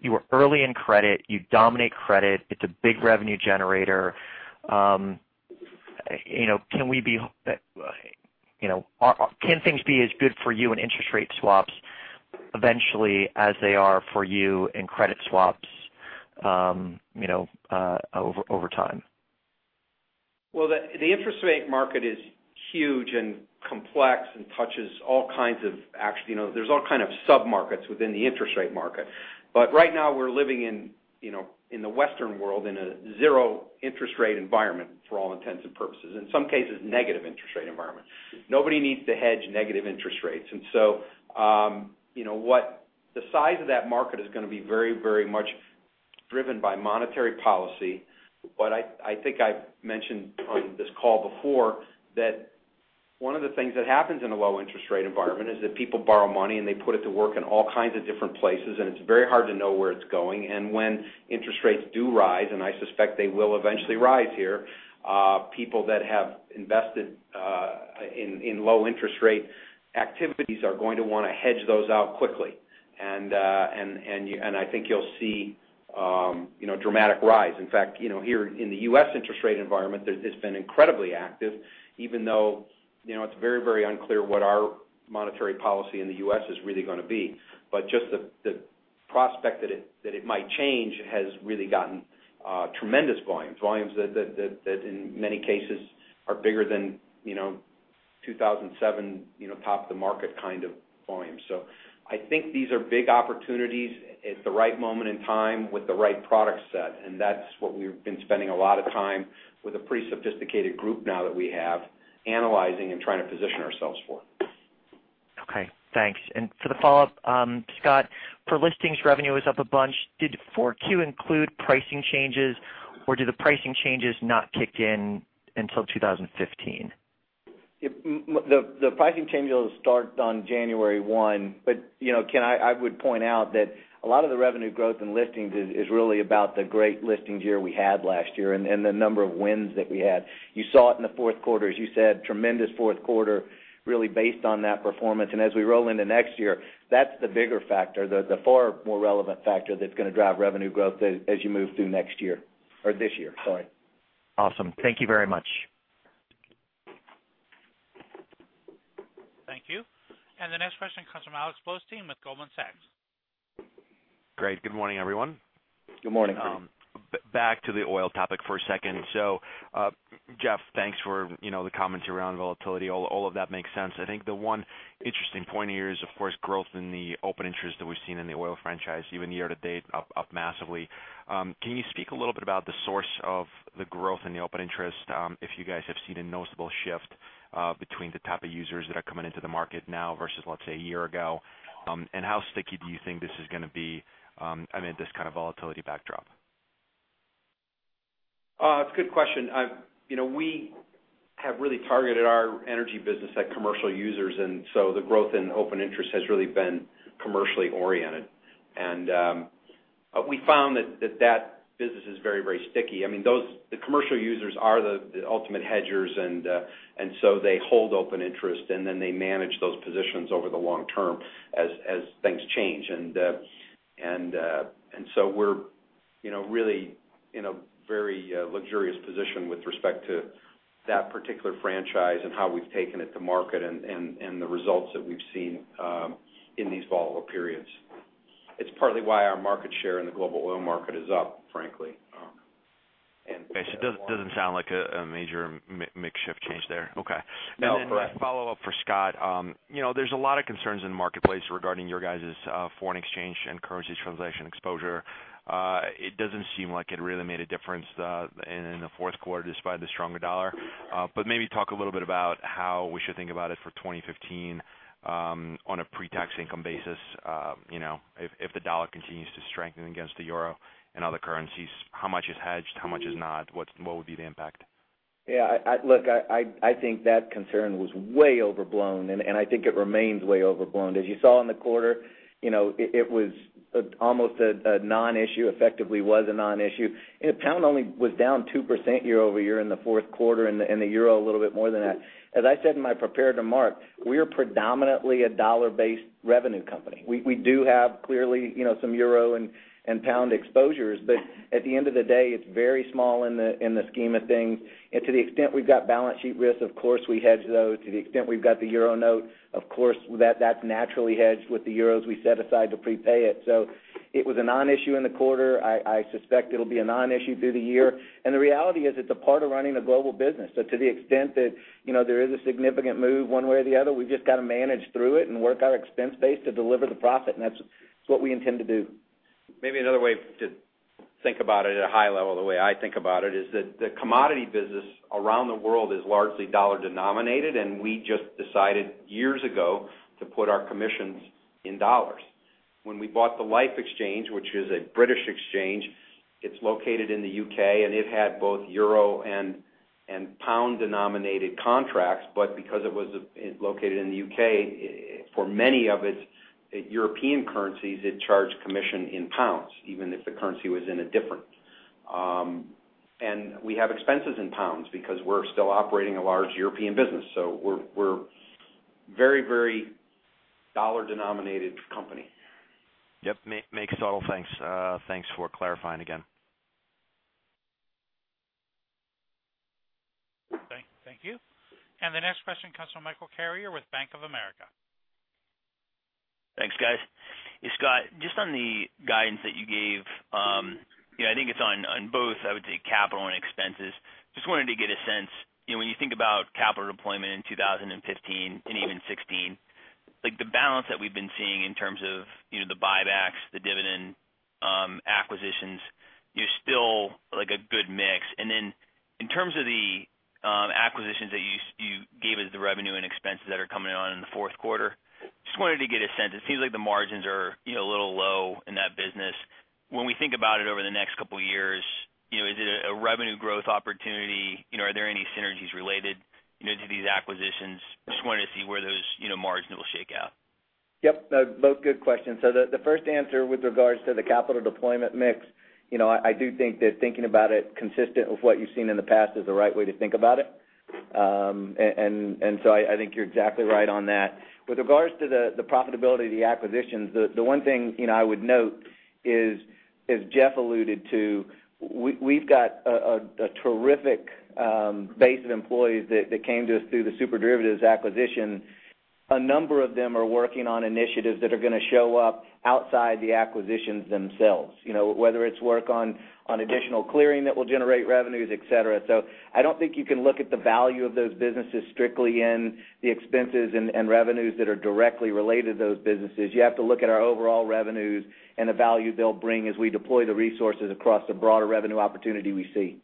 You were early in credit, you dominate credit, it's a big revenue generator. Can things be as good for you in interest rate swaps eventually as they are for you in credit swaps over time? Well, the interest rate market is huge and complex and touches all kinds of sub-markets within the interest rate market. Right now we're living in the Western world in a zero interest rate environment, for all intents and purposes. In some cases, negative interest rate environment. Nobody needs to hedge negative interest rates. The size of that market is going to be very much driven by monetary policy. I think I've mentioned on this call before that one of the things that happens in a low interest rate environment is that people borrow money and they put it to work in all kinds of different places, and it's very hard to know where it's going. When interest rates do rise, and I suspect they will eventually rise here, people that have invested in low interest rate activities are going to want to hedge those out quickly. I think you'll see dramatic rise. In fact, here in the U.S. interest rate environment, it's been incredibly active, even though it's very unclear what our monetary policy in the U.S. is really going to be. Just the prospect that it might change has really gotten tremendous volumes. Volumes that in many cases are bigger than 2007 top of the market kind of volumes. I think these are big opportunities at the right moment in time with the right product set, and that's what we've been spending a lot of time with a pretty sophisticated group now that we have, analyzing and trying to position ourselves for. Okay, thanks. For the follow-up, Scott, for listings revenue is up a bunch, did 4Q include pricing changes, or do the pricing changes not kick in until 2015? The pricing changes will start on January 1. Ken, I would point out that a lot of the revenue growth in listings is really about the great listings year we had last year and the number of wins that we had. You saw it in the fourth quarter, as you said, tremendous fourth quarter really based on that performance. As we roll into next year, that's the bigger factor, the far more relevant factor that's going to drive revenue growth as you move through next year, or this year, sorry. Awesome. Thank you very much. Thank you. Alex Blostein with Goldman Sachs. Great. Good morning, everyone. Good morning. Back to the oil topic for a second. Jeff, thanks for the comments around volatility. All of that makes sense. I think the one interesting point here is, of course, growth in the open interest that we've seen in the oil franchise, even year-to-date, up massively. Can you speak a little bit about the source of the growth in the open interest, if you guys have seen a noticeable shift between the type of users that are coming into the market now versus, let's say, a year ago? How sticky do you think this is going to be amid this kind of volatility backdrop? It's a good question. We have really targeted our energy business at commercial users, the growth in open interest has really been commercially oriented. We found that that business is very sticky. I mean, the commercial users are the ultimate hedgers, they hold open interest, then they manage those positions over the long term as things change. We're really in a very luxurious position with respect to that particular franchise and how we've taken it to market and the results that we've seen in these volatile periods. It's partly why our market share in the global oil market is up, frankly. Okay. It doesn't sound like a major mix shift change there. Okay. No. Last follow-up for Scott. There's a lot of concerns in the marketplace regarding your guys' foreign exchange and currency translation exposure. It doesn't seem like it really made a difference in the fourth quarter, despite the stronger dollar. Maybe talk a little bit about how we should think about it for 2015, on a pre-tax income basis. If the dollar continues to strengthen against the euro and other currencies, how much is hedged, how much is not, what would be the impact? Yeah. Look, I think that concern was way overblown, I think it remains way overblown. As you saw in the quarter, it was almost a non-issue, effectively was a non-issue. GBP only was down 2% year-over-year in the fourth quarter, the EUR a little bit more than that. As I said in my prepared remarks, we are predominantly a $-based revenue company. We do have, clearly, some EUR and GBP exposures, but at the end of the day, it's very small in the scheme of things. To the extent we've got balance sheet risk, of course, we hedge those. To the extent we've got the EUR note, of course, that's naturally hedged with the EUR we set aside to prepay it. It was a non-issue in the quarter. I suspect it'll be a non-issue through the year. The reality is, it's a part of running a global business. To the extent that there is a significant move one way or the other, we've just got to manage through it and work our expense base to deliver the profit, that's what we intend to do. Maybe another way to think about it at a high level, the way I think about it, is that the commodity business around the world is largely $-denominated, we just decided years ago to put our commissions in $. When we bought the Liffe exchange, which is a British exchange, it's located in the U.K., it had both EUR and GBP-denominated contracts. Because it was located in the U.K., for many of its European currencies, it charged commission in GBP, even if the currency was in a different. We have expenses in GBP because we're still operating a large European business. We're very $-denominated company. Yep, makes total sense. Thanks. Thanks for clarifying again. Thank you. The next question comes from Michael Carrier with Bank of America. Thanks, guys. Scott, just on the guidance that you gave, I think it's on both, I would say, capital and expenses. Just wanted to get a sense, when you think about capital deployment in 2015 and even 2016, like, the balance that we've been seeing in terms of the buybacks, the dividend, acquisitions, you're still, like, a good mix. Then in terms of the acquisitions that you gave as the revenue and expenses that are coming on in the fourth quarter, just wanted to get a sense. It seems like the margins are a little low in that business. When we think about it over the next couple of years, is it a revenue growth opportunity? Are there any synergies related to these acquisitions? Just wanted to see where those margins will shake out. Yep. Both good questions. The first answer with regards to the capital deployment mix, I do think that thinking about it consistent with what you've seen in the past is the right way to think about it. So I think you're exactly right on that. With regards to the profitability of the acquisitions, the one thing I would note is, as Jeff alluded to, we've got a terrific base of employees that came to us through the SuperDerivatives acquisition. A number of them are working on initiatives that are going to show up outside the acquisitions themselves, whether it's work on additional clearing that will generate revenues, et cetera. I don't think you can look at the value of those businesses strictly in the expenses and revenues that are directly related to those businesses. You have to look at our overall revenues and the value they'll bring as we deploy the resources across the broader revenue opportunity we see.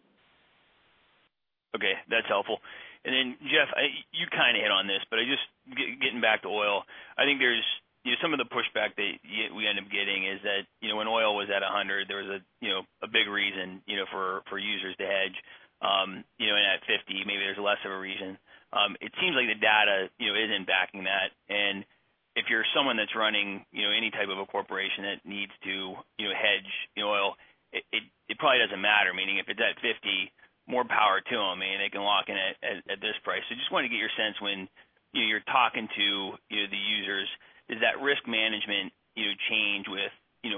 Okay, that's helpful. Jeff, you kind of hit on this, but just getting back to oil, I think some of the pushback that we end up getting is that when oil was at $100, there was a big reason for users to hedge, and at $50, maybe there's less of a reason. It seems like the data isn't backing that. If you're someone that's running any type of a corporation that needs to hedge oil, it probably doesn't matter. Meaning, if it's at $50, more power to them, and they can lock in at this price. Just wanted to get your sense when you're talking to the users, is that risk management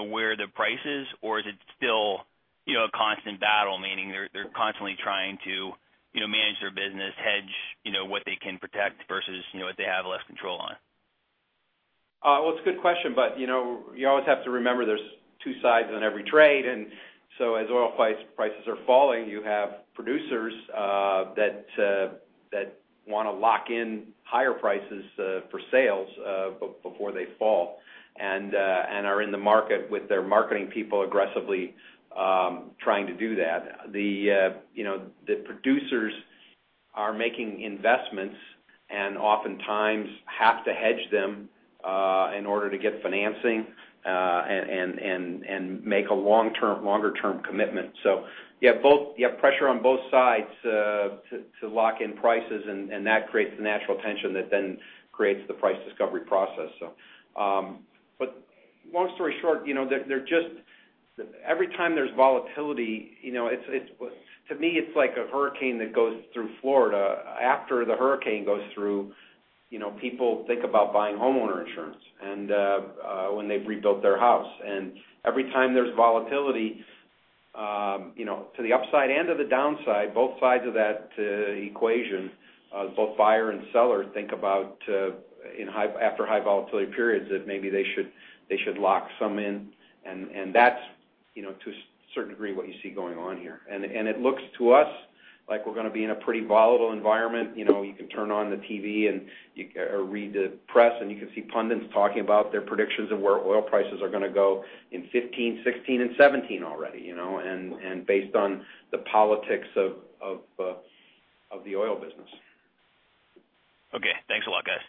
where the price is? Is it still a constant battle, meaning they're constantly trying to manage their business, hedge what they can protect versus what they have less control on? Well, it's a good question. You always have to remember there's two sides on every trade. As oil prices are falling, you have producers that want to lock in higher prices for sales before they fall, and are in the market with their marketing people aggressively trying to do that. The producers are making investments and oftentimes have to hedge them in order to get financing and make a longer-term commitment. You have pressure on both sides to lock in prices, and that creates the natural tension that then creates the price discovery process. Long story short, every time there's volatility, to me, it's like a hurricane that goes through Florida. After the hurricane goes through, people think about buying homeowner insurance and when they've rebuilt their house. Every time there's volatility, to the upside and to the downside, both sides of that equation, both buyer and seller think about after high volatility periods, that maybe they should lock some in. That's, to a certain degree, what you see going on here. It looks to us like we're going to be in a pretty volatile environment. You can turn on the TV or read the press, and you can see pundits talking about their predictions of where oil prices are going to go in 2015, 2016, and 2017 already, and based on the politics of the oil business. Okay. Thanks a lot, guys.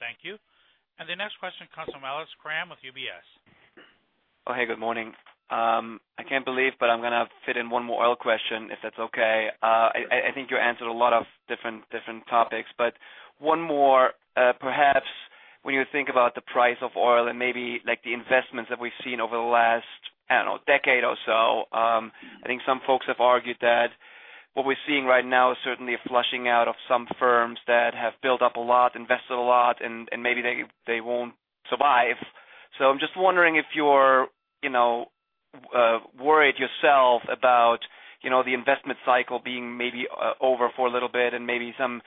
Thank you. The next question comes from Alex Kramm with UBS. Oh, hey, good morning. I can't believe, but I'm going to fit in one more oil question, if that's okay. I think you answered a lot of different topics, but one more, perhaps when you think about the price of oil and maybe the investments that we've seen over the last, I don't know, decade or so, I think some folks have argued that what we're seeing right now is certainly a flushing out of some firms that have built up a lot, invested a lot, and maybe they won't survive. I'm just wondering if you're worried yourself about the investment cycle being maybe over for a little bit, and maybe some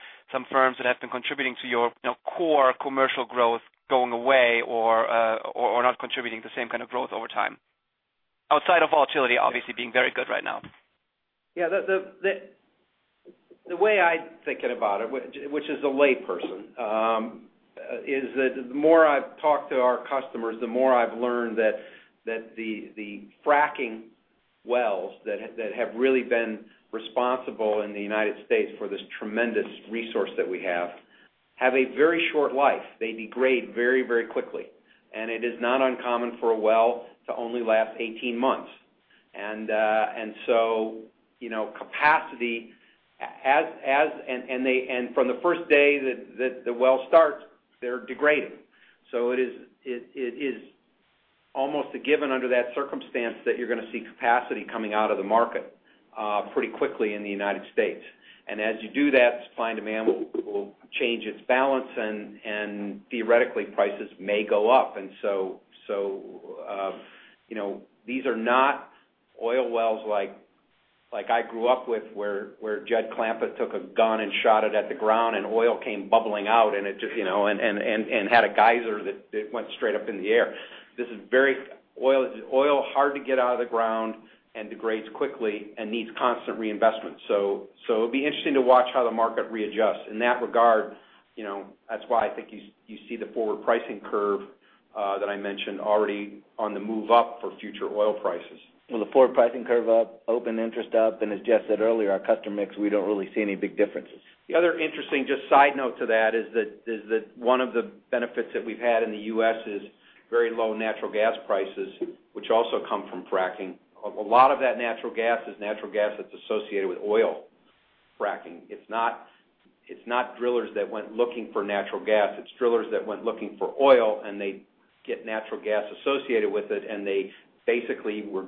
firms that have been contributing to your core commercial growth going away or not contributing the same kind of growth over time. Outside of volatility, obviously, being very good right now. Yeah. The way I'm thinking about it, which is a layperson, is that the more I've talked to our customers, the more I've learned that the fracking wells that have really been responsible in the United States for this tremendous resource that we have a very short life. They degrade very, very quickly. It is not uncommon for a well to only last 18 months. From the first day that the well starts, they're degrading. It is almost a given under that circumstance that you're going to see capacity coming out of the market pretty quickly in the United States. As you do that, supply and demand will change its balance, and theoretically, prices may go up. These are not oil wells like I grew up with, where Jed Clampett took a gun and shot it at the ground, and oil came bubbling out, and had a geyser that went straight up in the air. Oil is hard to get out of the ground and degrades quickly and needs constant reinvestment. It'll be interesting to watch how the market readjusts. In that regard, that's why I think you see the forward pricing curve, that I mentioned already, on the move up for future oil prices. Well, the forward pricing curve up, open interest up, and as Jeff said earlier, our customer mix, we don't really see any big differences. The other interesting just side note to that is that one of the benefits that we've had in the U.S. is very low natural gas prices, which also come from fracking. A lot of that natural gas is natural gas that's associated with oil fracking. It's not drillers that went looking for natural gas. It's drillers that went looking for oil, and they get natural gas associated with it, and they basically were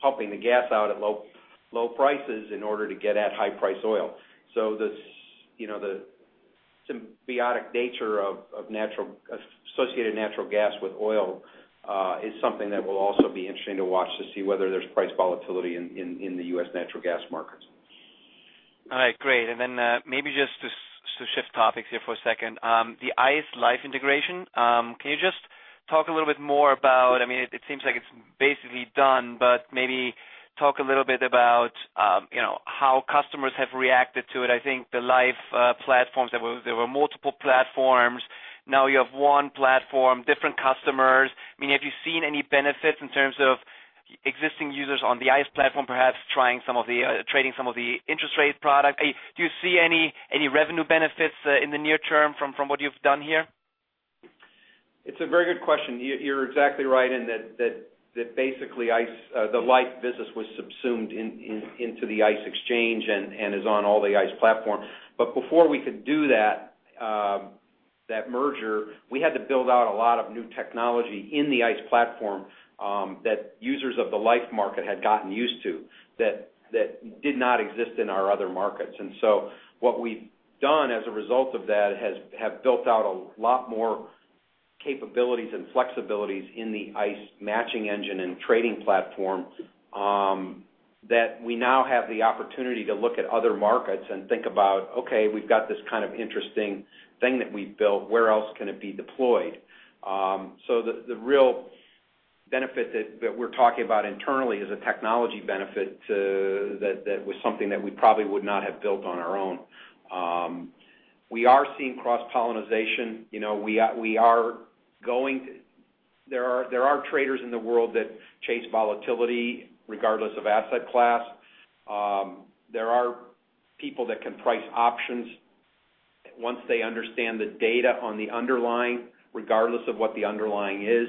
pumping the gas out at low prices in order to get at high price oil. The symbiotic nature of associated natural gas with oil is something that will also be interesting to watch to see whether there's price volatility in the U.S. natural gas markets. All right, great. Then maybe just to shift topics here for a second. The ICE Liffe integration, can you just talk a little bit more about it seems like it's basically done, but maybe talk a little bit about how customers have reacted to it. I think the Liffe platforms, there were multiple platforms. Now you have one platform, different customers. Have you seen any benefits in terms of existing users on the ICE platform, perhaps trading some of the interest rate product? Do you see any revenue benefits in the near term from what you've done here? It's a very good question. You're exactly right in that basically, the Liffe business was subsumed into the ICE exchange and is on all the ICE platforms. Before we could do that merger, we had to build out a lot of new technology in the ICE platform that users of the Liffe market had gotten used to, that did not exist in our other markets. So what we've done as a result of that have built out a lot more capabilities and flexibilities in the ICE matching engine and trading platform, that we now have the opportunity to look at other markets and think about, okay, we've got this kind of interesting thing that we've built. Where else can it be deployed? The real benefit that we're talking about internally is a technology benefit that was something that we probably would not have built on our own. We are seeing cross-pollination. There are traders in the world that chase volatility regardless of asset class. There are people that can price options once they understand the data on the underlying, regardless of what the underlying is.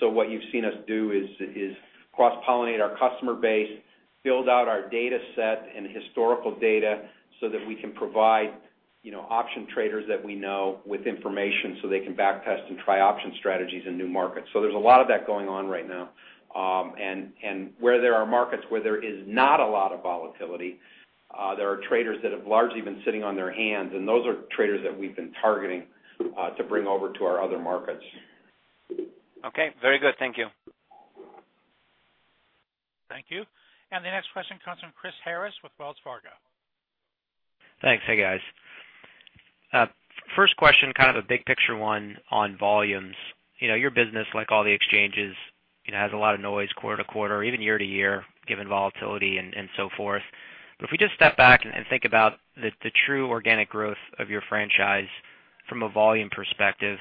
What you've seen us do is cross-pollinate our customer base, build out our data set and historical data so that we can provide option traders that we know with information so they can back test and try option strategies in new markets. There's a lot of that going on right now. Where there are markets where there is not a lot of volatility, there are traders that have largely been sitting on their hands, and those are traders that we've been targeting to bring over to our other markets. Okay. Very good. Thank you. Thank you. The next question comes from Chris Harris with Wells Fargo. Thanks. Hey, guys. First question, kind of a big picture one on volumes. Your business, like all the exchanges, has a lot of noise quarter-to-quarter or even year-to-year, given volatility and so forth. If we just step back and think about the true organic growth of your franchise from a volume perspective,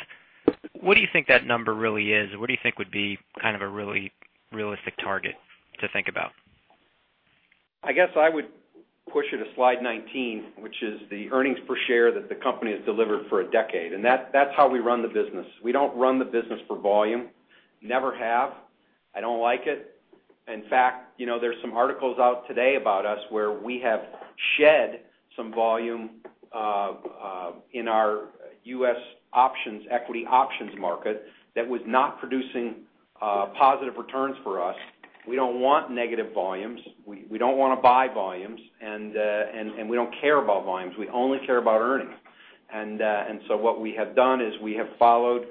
what do you think that number really is? What do you think would be kind of a really realistic target to think about? I guess I would push you to slide 19, which is the earnings per share that the company has delivered for a decade, and that's how we run the business. We don't run the business for volume. Never have. I don't like it. In fact, there's some articles out today about us where we have shed some volume in our U.S. equity options market that was not producing positive returns for us. We don't want negative volumes. We don't want to buy volumes, and we don't care about volumes. We only care about earnings. What we have done is we have followed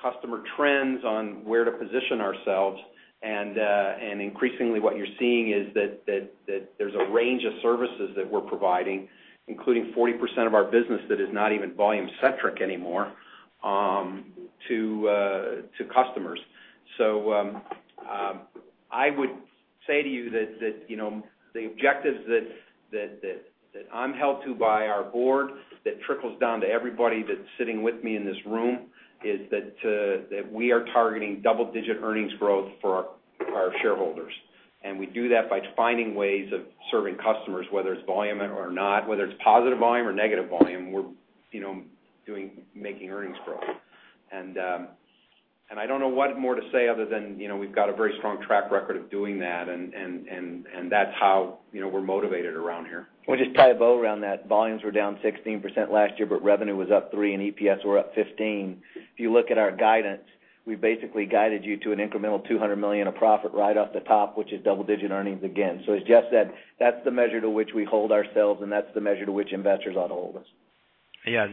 customer trends on where to position ourselves, and increasingly what you're seeing is that there's a range of services that we're providing, including 40% of our business that is not even volume-centric anymore, to customers. I would say to you that the objectives that I'm held to by our board, that trickles down to everybody that's sitting with me in this room, is that we are targeting double-digit earnings growth for our shareholders. We do that by finding ways of serving customers, whether it's volume or not, whether it's positive volume or negative volume, we're making earnings grow. I don't know what more to say other than we've got a very strong track record of doing that, and that's how we're motivated around here. We'll just tie a bow around that. Volumes were down 16% last year, but revenue was up 3% and EPS were up 15%. If you look at our guidance, we basically guided you to an incremental $200 million of profit right off the top, which is double-digit earnings again. As Jeff said, that's the measure to which we hold ourselves, and that's the measure to which investors ought to hold us. Yeah.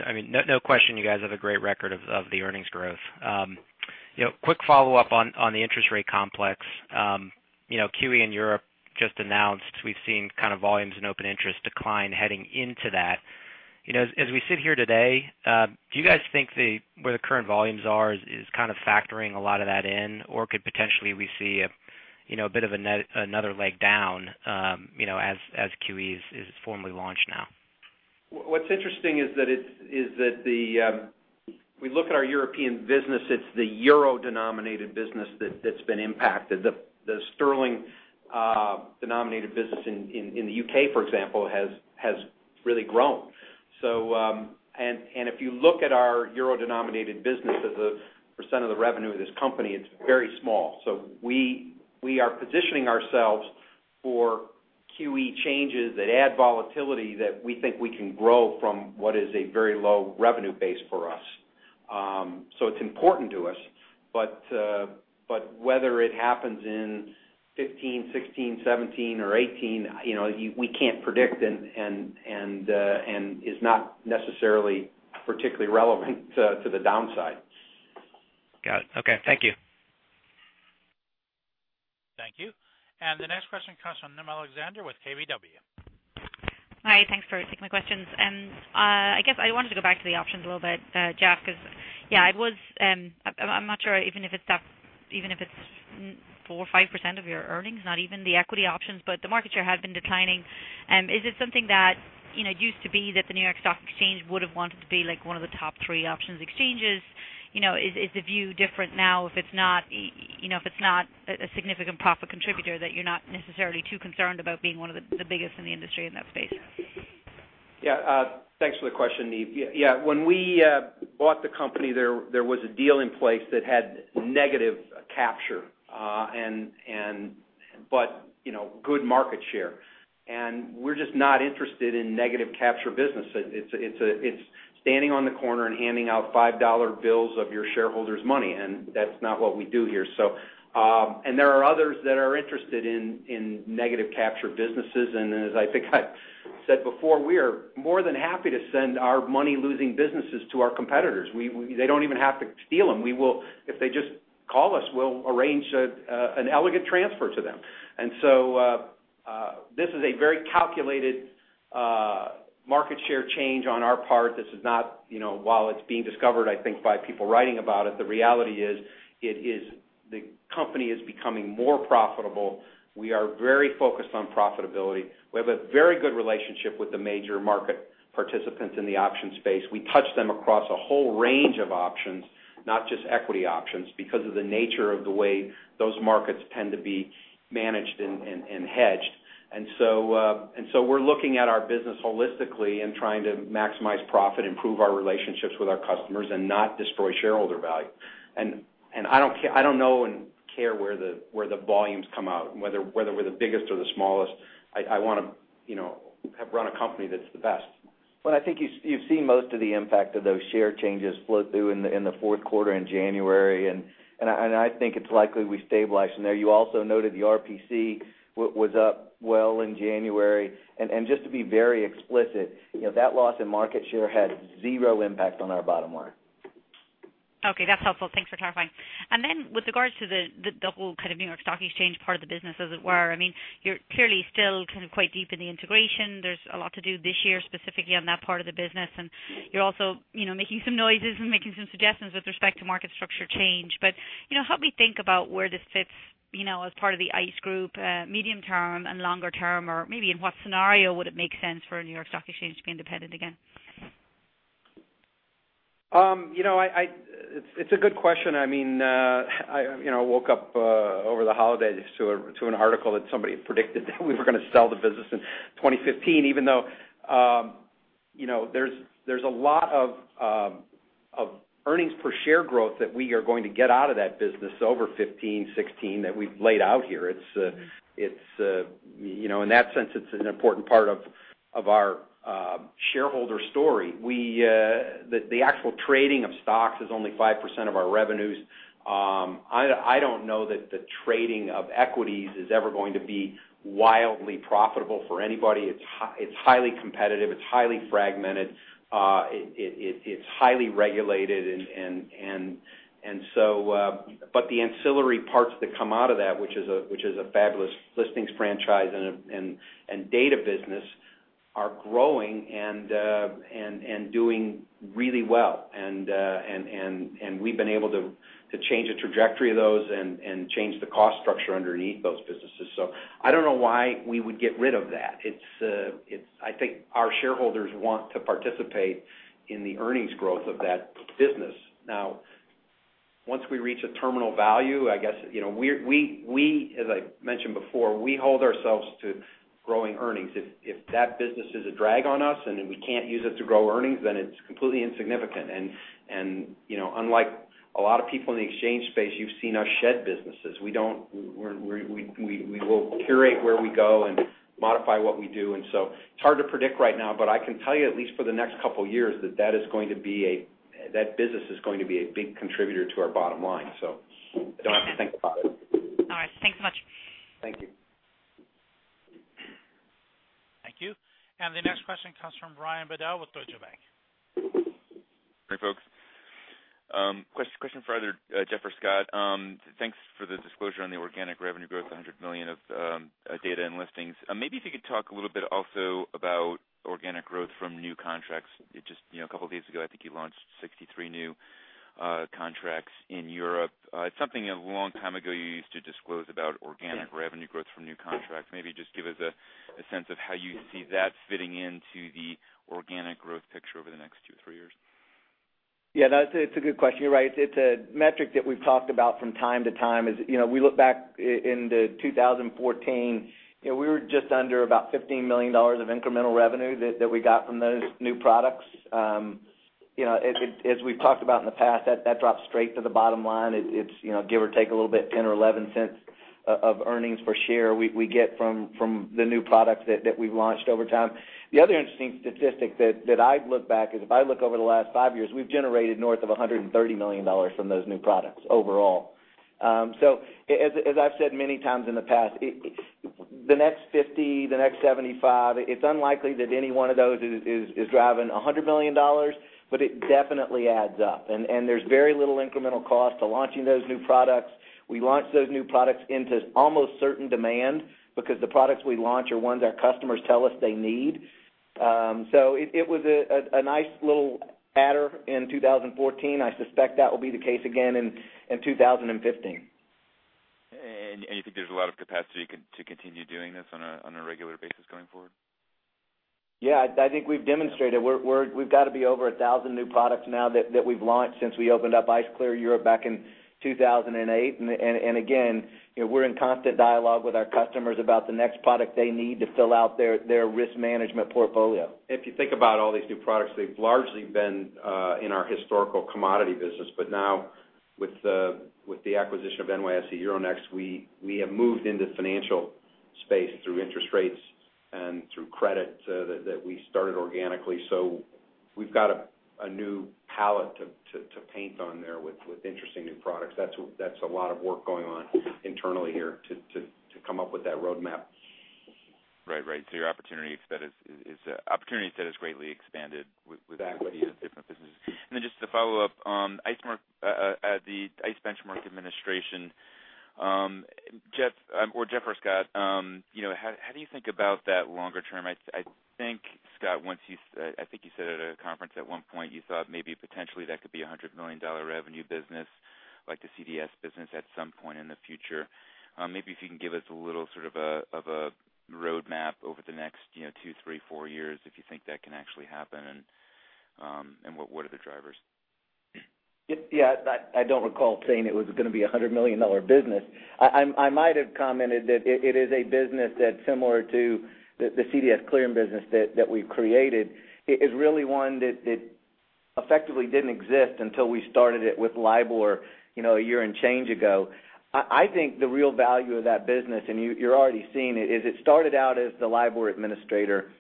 No question. You guys have a great record of the earnings growth. Quick follow-up on the interest rate complex. QE in Europe just announced, we've seen kind of volumes and open interest decline heading into that. As we sit here today, do you guys think where the current volumes are is kind of factoring a lot of that in, or could potentially we see a bit of another leg down as QE is formally launched now? What's interesting is that we look at our European business, it's the euro-denominated business that's been impacted. The sterling-denominated business in the U.K., for example, has really grown. If you look at our euro-denominated business as a % of the revenue of this company, it's very small. We are positioning ourselves for QE changes that add volatility that we think we can grow from what is a very low revenue base for us. It's important to us, but whether it happens in 2015, 2016, 2017, or 2018, we can't predict and is not necessarily particularly relevant to the downside. Got it. Okay. Thank you. Thank you. The next question comes from Niamh Alexander with KBW. Hi, thanks for taking my questions. I guess I wanted to go back to the options a little bit, Jeff, because, I'm not sure even if it's 4% or 5% of your earnings, not even the equity options, but the market share has been declining. Is it something that used to be that the New York Stock Exchange would have wanted to be one of the top three options exchanges? Is the view different now if it's not a significant profit contributor that you're not necessarily too concerned about being one of the biggest in the industry in that space? Yeah. Thanks for the question, Niamh. Yeah, when we bought the company, there was a deal in place that had negative capture, but good market share. We're just not interested in negative capture business. It's standing on the corner and handing out $5 bills of your shareholders' money, and that's not what we do here. There are others that are interested in negative capture businesses, and as I think I said before, we are more than happy to send our money-losing businesses to our competitors. They don't even have to steal them. If they just call us, we'll arrange an elegant transfer to them. This is a very calculated market share change on our part. This is not, while it's being discovered, I think, by people writing about it, the reality is the company is becoming more profitable. We are very focused on profitability. We have a very good relationship with the major market participants in the options space. We touch them across a whole range of options, not just equity options, because of the nature of the way those markets tend to be managed and hedged. We're looking at our business holistically and trying to maximize profit, improve our relationships with our customers, and not destroy shareholder value. I don't know and care where the volumes come out, and whether we're the biggest or the smallest. I want to run a company that's the best. Well, I think you've seen most of the impact of those share changes flow through in the fourth quarter in January, and I think it's likely we stabilize from there. You also noted the RPC was up well in January. Just to be very explicit, that loss in market share had zero impact on our bottom line. Okay. That's helpful. Thanks for clarifying. With regards to the whole New York Stock Exchange part of the business, as it were, you're clearly still quite deep in the integration. There's a lot to do this year, specifically on that part of the business, and you're also making some noises and making some suggestions with respect to market structure change. Help me think about where this fits as part of the ICE group, medium term and longer term, or maybe in what scenario would it make sense for New York Stock Exchange to be independent again? It's a good question. I woke up over the holidays to an article that somebody predicted that we were going to sell the business in 2015, even though there's a lot of earnings per share growth that we are going to get out of that business over 2015, 2016, that we've laid out here. In that sense, it's an important part of our shareholder story. The actual trading of stocks is only 5% of our revenues. I don't know that the trading of equities is ever going to be wildly profitable for anybody. It's highly competitive, it's highly fragmented, it's highly regulated. The ancillary parts that come out of that, which is a fabulous listings franchise and data business, are growing and doing really well. We've been able to change the trajectory of those and change the cost structure underneath those businesses. I don't know why we would get rid of that. I think our shareholders want to participate in the earnings growth of that business. Now, once we reach a terminal value, as I mentioned before, we hold ourselves to growing earnings. If that business is a drag on us and we can't use it to grow earnings, then it's completely insignificant. Unlike a lot of people in the exchange space, you've seen us shed businesses. We will curate where we go and modify what we do. It's hard to predict right now, but I can tell you, at least for the next couple of years, that business is going to be a big contributor to our bottom line. You don't have to think about it. All right. Thanks so much. Thank you. Thank you. The next question comes from Brian Bedell with Deutsche Bank. Hi, folks. Question for either Jeff or Scott. Thanks for the disclosure on the organic revenue growth, $100 million of data and listings. Maybe if you could talk a little bit also about organic growth from new contracts. Just a couple of days ago, I think you launched 63 new contracts in Europe. It's something a long time ago you used to disclose about organic revenue growth from new contracts. Maybe just give us a sense of how you see that fitting into the organic growth picture over the next two, three years. Yeah, it's a good question. You're right. It's a metric that we've talked about from time to time. As we look back into 2014, we were just under about $15 million of incremental revenue that we got from those new products. As we've talked about in the past, that drops straight to the bottom line. It's give or take a little bit, $0.10 or $0.11 of earnings per share we get from the new products that we've launched over time. The other interesting statistic that I've looked back is if I look over the last five years, we've generated north of $130 million from those new products overall. As I've said many times in the past, the next 50, the next 75, it's unlikely that any one of those is driving $100 million, but it definitely adds up. There's very little incremental cost to launching those new products. We launch those new products into almost certain demand because the products we launch are ones our customers tell us they need. It was a nice little adder in 2014. I suspect that will be the case again in 2015. You think there's a lot of capacity to continue doing this on a regular basis going forward? Yeah, I think we've demonstrated. We've got to be over 1,000 new products now that we've launched since we opened up ICE Clear Europe back in 2008. Again, we're in constant dialogue with our customers about the next product they need to fill out their risk management portfolio. If you think about all these new products, they've largely been in our historical commodity business. Now With the acquisition of NYSE Euronext, we have moved into financial space through interest rates and through credit that we started organically. We've got a new palette to paint on there with interesting new products. That's a lot of work going on internally here to come up with that roadmap. Right. Your opportunity set has greatly expanded with- Exactly Just to follow up on the ICE Benchmark Administration, Jeff or Scott, how do you think about that longer term? I think, Scott, I think you said at a conference at one point, you thought maybe potentially that could be a $100 million revenue business, like the CDS business, at some point in the future. Maybe if you can give us a little sort of a roadmap over the next two, three, four years, if you think that can actually happen, and what are the drivers? Yeah. I don't recall saying it was going to be a $100 million business. I might have commented that it is a business that's similar to the CDS clearing business that we've created. It is really one that effectively didn't exist until we started it with LIBOR a year and change ago. I think the real value of that business, and you're already seeing it, is it started out as the LIBOR administrator.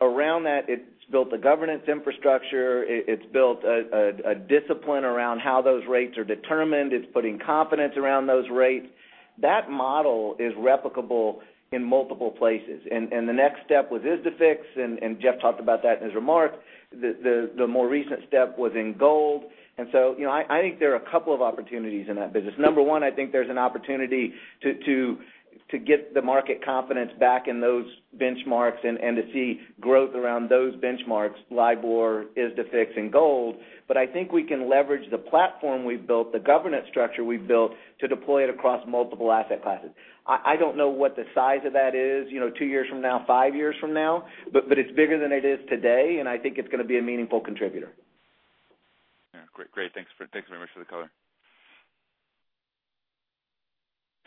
Around that, it's built a governance infrastructure. It's built a discipline around how those rates are determined. It's putting confidence around those rates. That model is replicable in multiple places, the next step was ISDAfix, and Jeff talked about that in his remarks. The more recent step was in gold. I think there are a couple of opportunities in that business. Number one, I think there's an opportunity to get the market confidence back in those benchmarks and to see growth around those benchmarks, LIBOR, ISDAfix, and gold. I think we can leverage the platform we've built, the governance structure we've built, to deploy it across multiple asset classes. I don't know what the size of that is, two years from now, five years from now, but it's bigger than it is today, and I think it's going to be a meaningful contributor. Yeah. Great. Thanks very much for the color.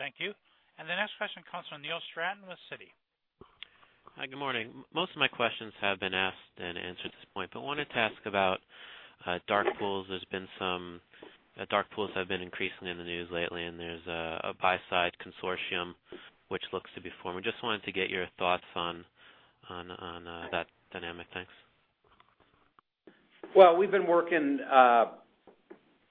Thank you. The next question comes from Neil Stratton with Citi. Hi, good morning. Most of my questions have been asked and answered at this point. Wanted to ask about dark pools. Dark pools have been increasingly in the news lately. There's a buy side consortium which looks to be forming. Just wanted to get your thoughts on that dynamic. Thanks. We've been working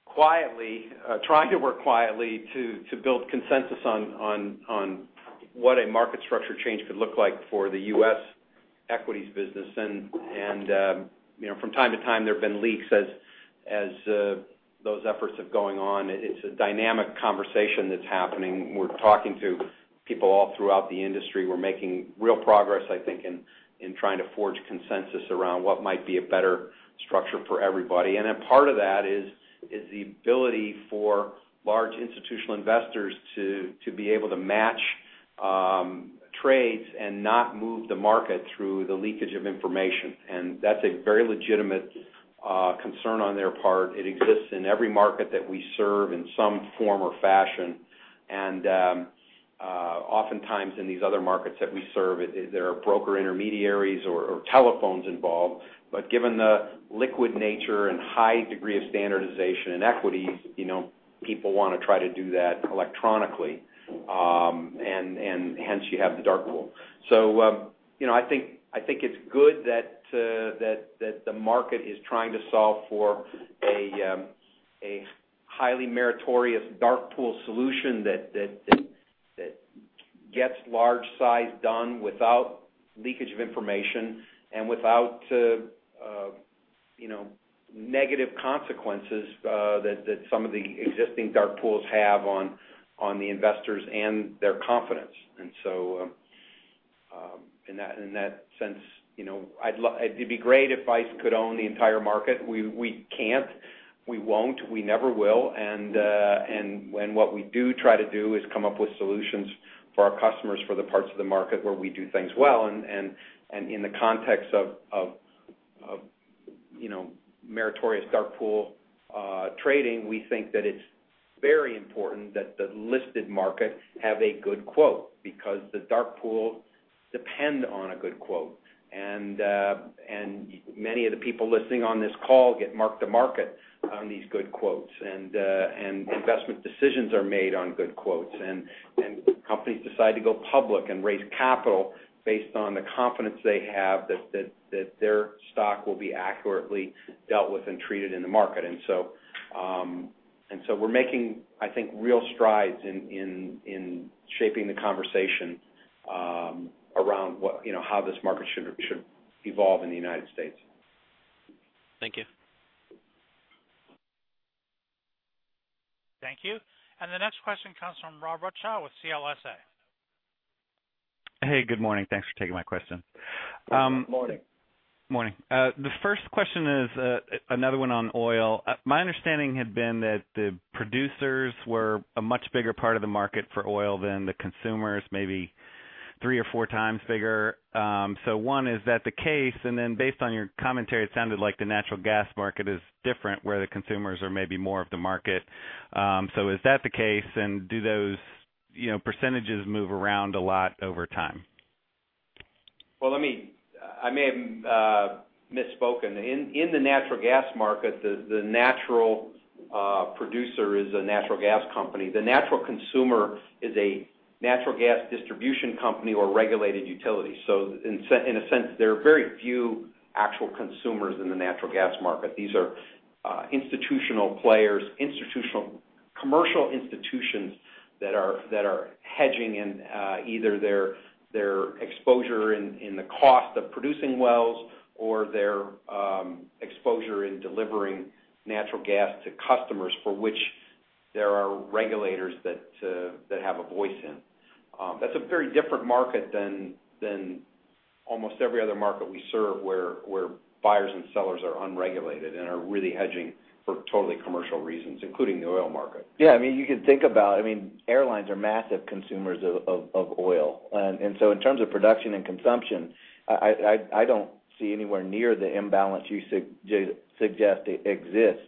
quietly, trying to work quietly to build consensus on what a market structure change could look like for the U.S. equities business. From time to time, there have been leaks as those efforts are going on. It's a dynamic conversation that's happening. We're talking to people all throughout the industry. We're making real progress, I think, in trying to forge consensus around what might be a better structure for everybody. Part of that is the ability for large institutional investors to be able to match trades and not move the market through the leakage of information. That's a very legitimate concern on their part. It exists in every market that we serve in some form or fashion. Oftentimes in these other markets that we serve, there are broker intermediaries or telephones involved. Given the liquid nature and high degree of standardization in equities, people want to try to do that electronically. Hence you have the dark pool. I think it's good that the market is trying to solve for a highly meritorious dark pool solution that gets large size done without leakage of information and without negative consequences that some of the existing dark pools have on the investors and their confidence. In that sense, it'd be great if ICE could own the entire market. We can't, we won't, we never will. What we do try to do is come up with solutions for our customers for the parts of the market where we do things well. In the context of meritorious dark pool trading, we think that it's very important that the listed markets have a good quote because the dark pools depend on a good quote. Many of the people listening on this call get mark-to-market on these good quotes. Investment decisions are made on good quotes. Companies decide to go public and raise capital based on the confidence they have that their stock will be accurately dealt with and treated in the market. We're making, I think, real strides in shaping the conversation around how this market should evolve in the United States. Thank you. Thank you. The next question comes from Rob Chow with CLSA. Hey, good morning. Thanks for taking my question. Good morning. Morning. The first question is another one on oil. My understanding had been that the producers were a much bigger part of the market for oil than the consumers, maybe three or four times bigger. One, is that the case? Based on your commentary, it sounded like the natural gas market is different, where the consumers are maybe more of the market. Is that the case, and do those percentages move around a lot over time? Well, I may have misspoken. In the natural gas market, the natural producer is a natural gas company. The natural consumer is a natural gas distribution company or regulated utility. In a sense, there are very few actual consumers in the natural gas market. These are institutional players, commercial institutions that are hedging in either their exposure in the cost of producing wells or their exposure in delivering natural gas to customers for which there are regulators that have a voice in. That's a very different market than almost every other market we serve where buyers and sellers are unregulated and are really hedging for totally commercial reasons, including the oil market. Yeah. You could think about it, airlines are massive consumers of oil. In terms of production and consumption, I don't see anywhere near the imbalance you suggest exists.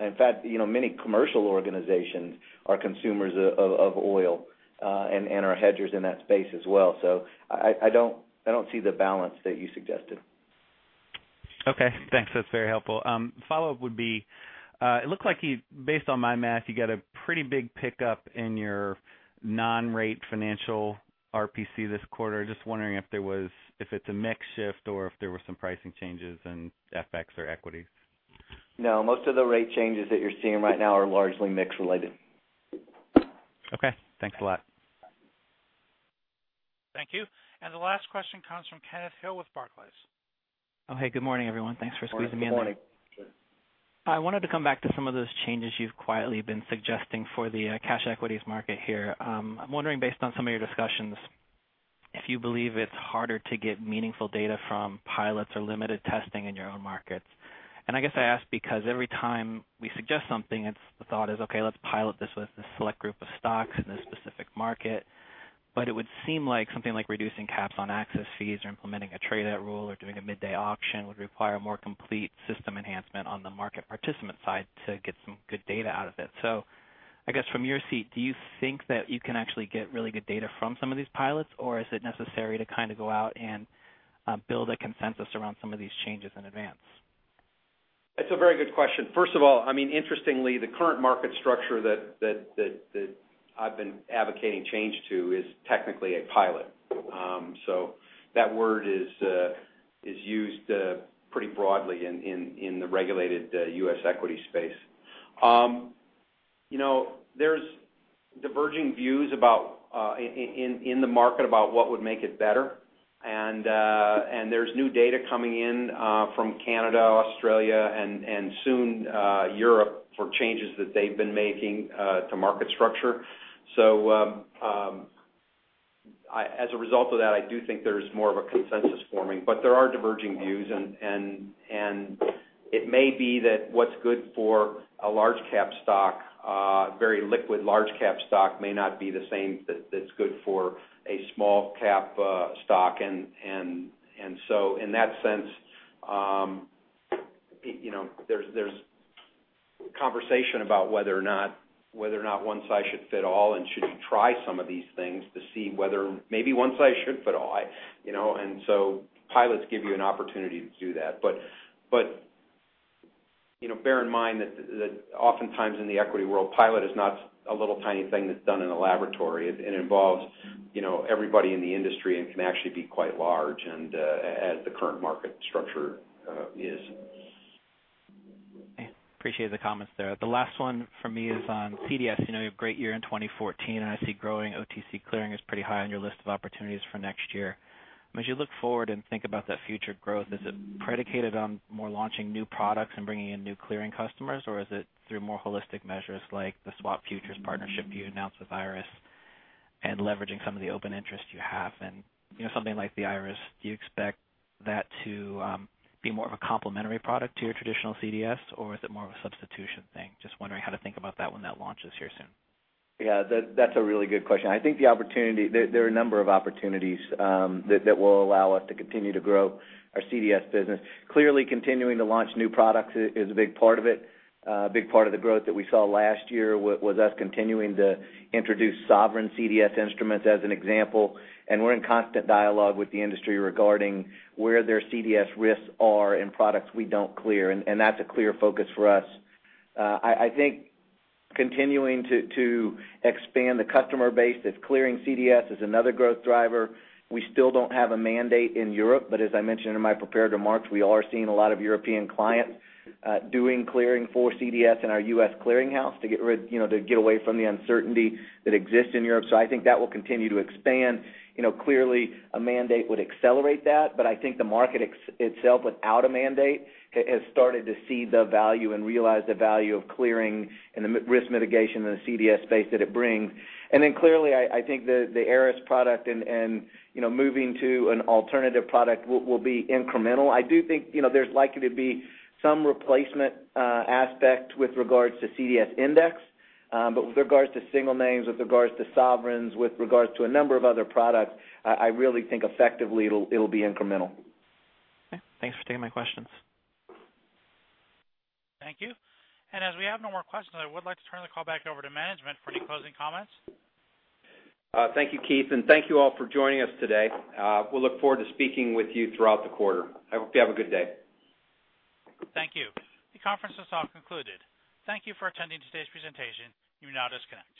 In fact, many commercial organizations are consumers of oil, and are hedgers in that space as well. I don't see the balance that you suggested. Okay, thanks. That is very helpful. Follow-up would be, it looked like, based on my math, you got a pretty big pickup in your non-rate financial RPC this quarter. Just wondering if it is a mix shift or if there were some pricing changes in FX or equities. No, most of the rate changes that you are seeing right now are largely mix-related. Okay, thanks a lot. Thank you. The last question comes from Kenneth Hill with Barclays. Oh, hey, good morning, everyone. Thanks for squeezing me in there. Good morning. I wanted to come back to some of those changes you've quietly been suggesting for the cash equities market here. I'm wondering, based on some of your discussions, if you believe it's harder to get meaningful data from pilots or limited testing in your own markets. I guess I ask because every time we suggest something, the thought is, okay, let's pilot this with this select group of stocks in this specific market. It would seem like something like reducing caps on access fees or implementing a trade-at rule or doing a midday auction would require a more complete system enhancement on the market participant side to get some good data out of it. I guess from your seat, do you think that you can actually get really good data from some of these pilots, or is it necessary to kind of go out and build a consensus around some of these changes in advance? That's a very good question. First of all, interestingly, the current market structure that I've been advocating change to is technically a pilot. That word is used pretty broadly in the regulated U.S. equity space. There's diverging views in the market about what would make it better, and there's new data coming in from Canada, Australia, and soon Europe for changes that they've been making to market structure. As a result of that, I do think there's more of a consensus forming, but there are diverging views and it may be that what's good for a very liquid large cap stock may not be the same that's good for a small cap stock. In that sense, there's conversation about whether or not one size should fit all, and should you try some of these things to see whether maybe one size should fit all. Pilots give you an opportunity to do that. Bear in mind that oftentimes in the equity world, pilot is not a little tiny thing that's done in a laboratory. It involves everybody in the industry and can actually be quite large and as the current market structure is. Appreciate the comments there. The last one from me is on CDS. You know, you have a great year in 2014, and I see growing OTC clearing is pretty high on your list of opportunities for next year. As you look forward and think about that future growth, is it predicated on more launching new products and bringing in new clearing customers? Or is it through more holistic measures like the swap futures partnership you announced with Eris and leveraging some of the open interest you have and something like the Eris, do you expect that to be more of a complementary product to your traditional CDS, or is it more of a substitution thing? Just wondering how to think about that when that launches here soon? That's a really good question. I think there are a number of opportunities that will allow us to continue to grow our CDS business. Clearly, continuing to launch new products is a big part of it. A big part of the growth that we saw last year was us continuing to introduce sovereign CDS instruments as an example, and we're in constant dialogue with the industry regarding where their CDS risks are in products we don't clear, and that's a clear focus for us. I think continuing to expand the customer base that's clearing CDS is another growth driver. We still don't have a mandate in Europe, but as I mentioned in my prepared remarks, we are seeing a lot of European clients doing clearing for CDS in our U.S. clearing house to get away from the uncertainty that exists in Europe. I think that will continue to expand. Clearly, a mandate would accelerate that, I think the market itself, without a mandate, has started to see the value and realize the value of clearing and the risk mitigation in the CDS space that it brings. Clearly, I think the Eris product and moving to an alternative product will be incremental. I do think there's likely to be some replacement aspect with regards to CDS index. With regards to single names, with regards to sovereigns, with regards to a number of other products, I really think effectively it'll be incremental. Okay. Thanks for taking my questions. Thank you. As we have no more questions, I would like to turn the call back over to management for any closing comments. Thank you, Keith, thank you all for joining us today. We'll look forward to speaking with you throughout the quarter. I hope you have a good day. Thank you. The conference is now concluded. Thank you for attending today's presentation. You may now disconnect.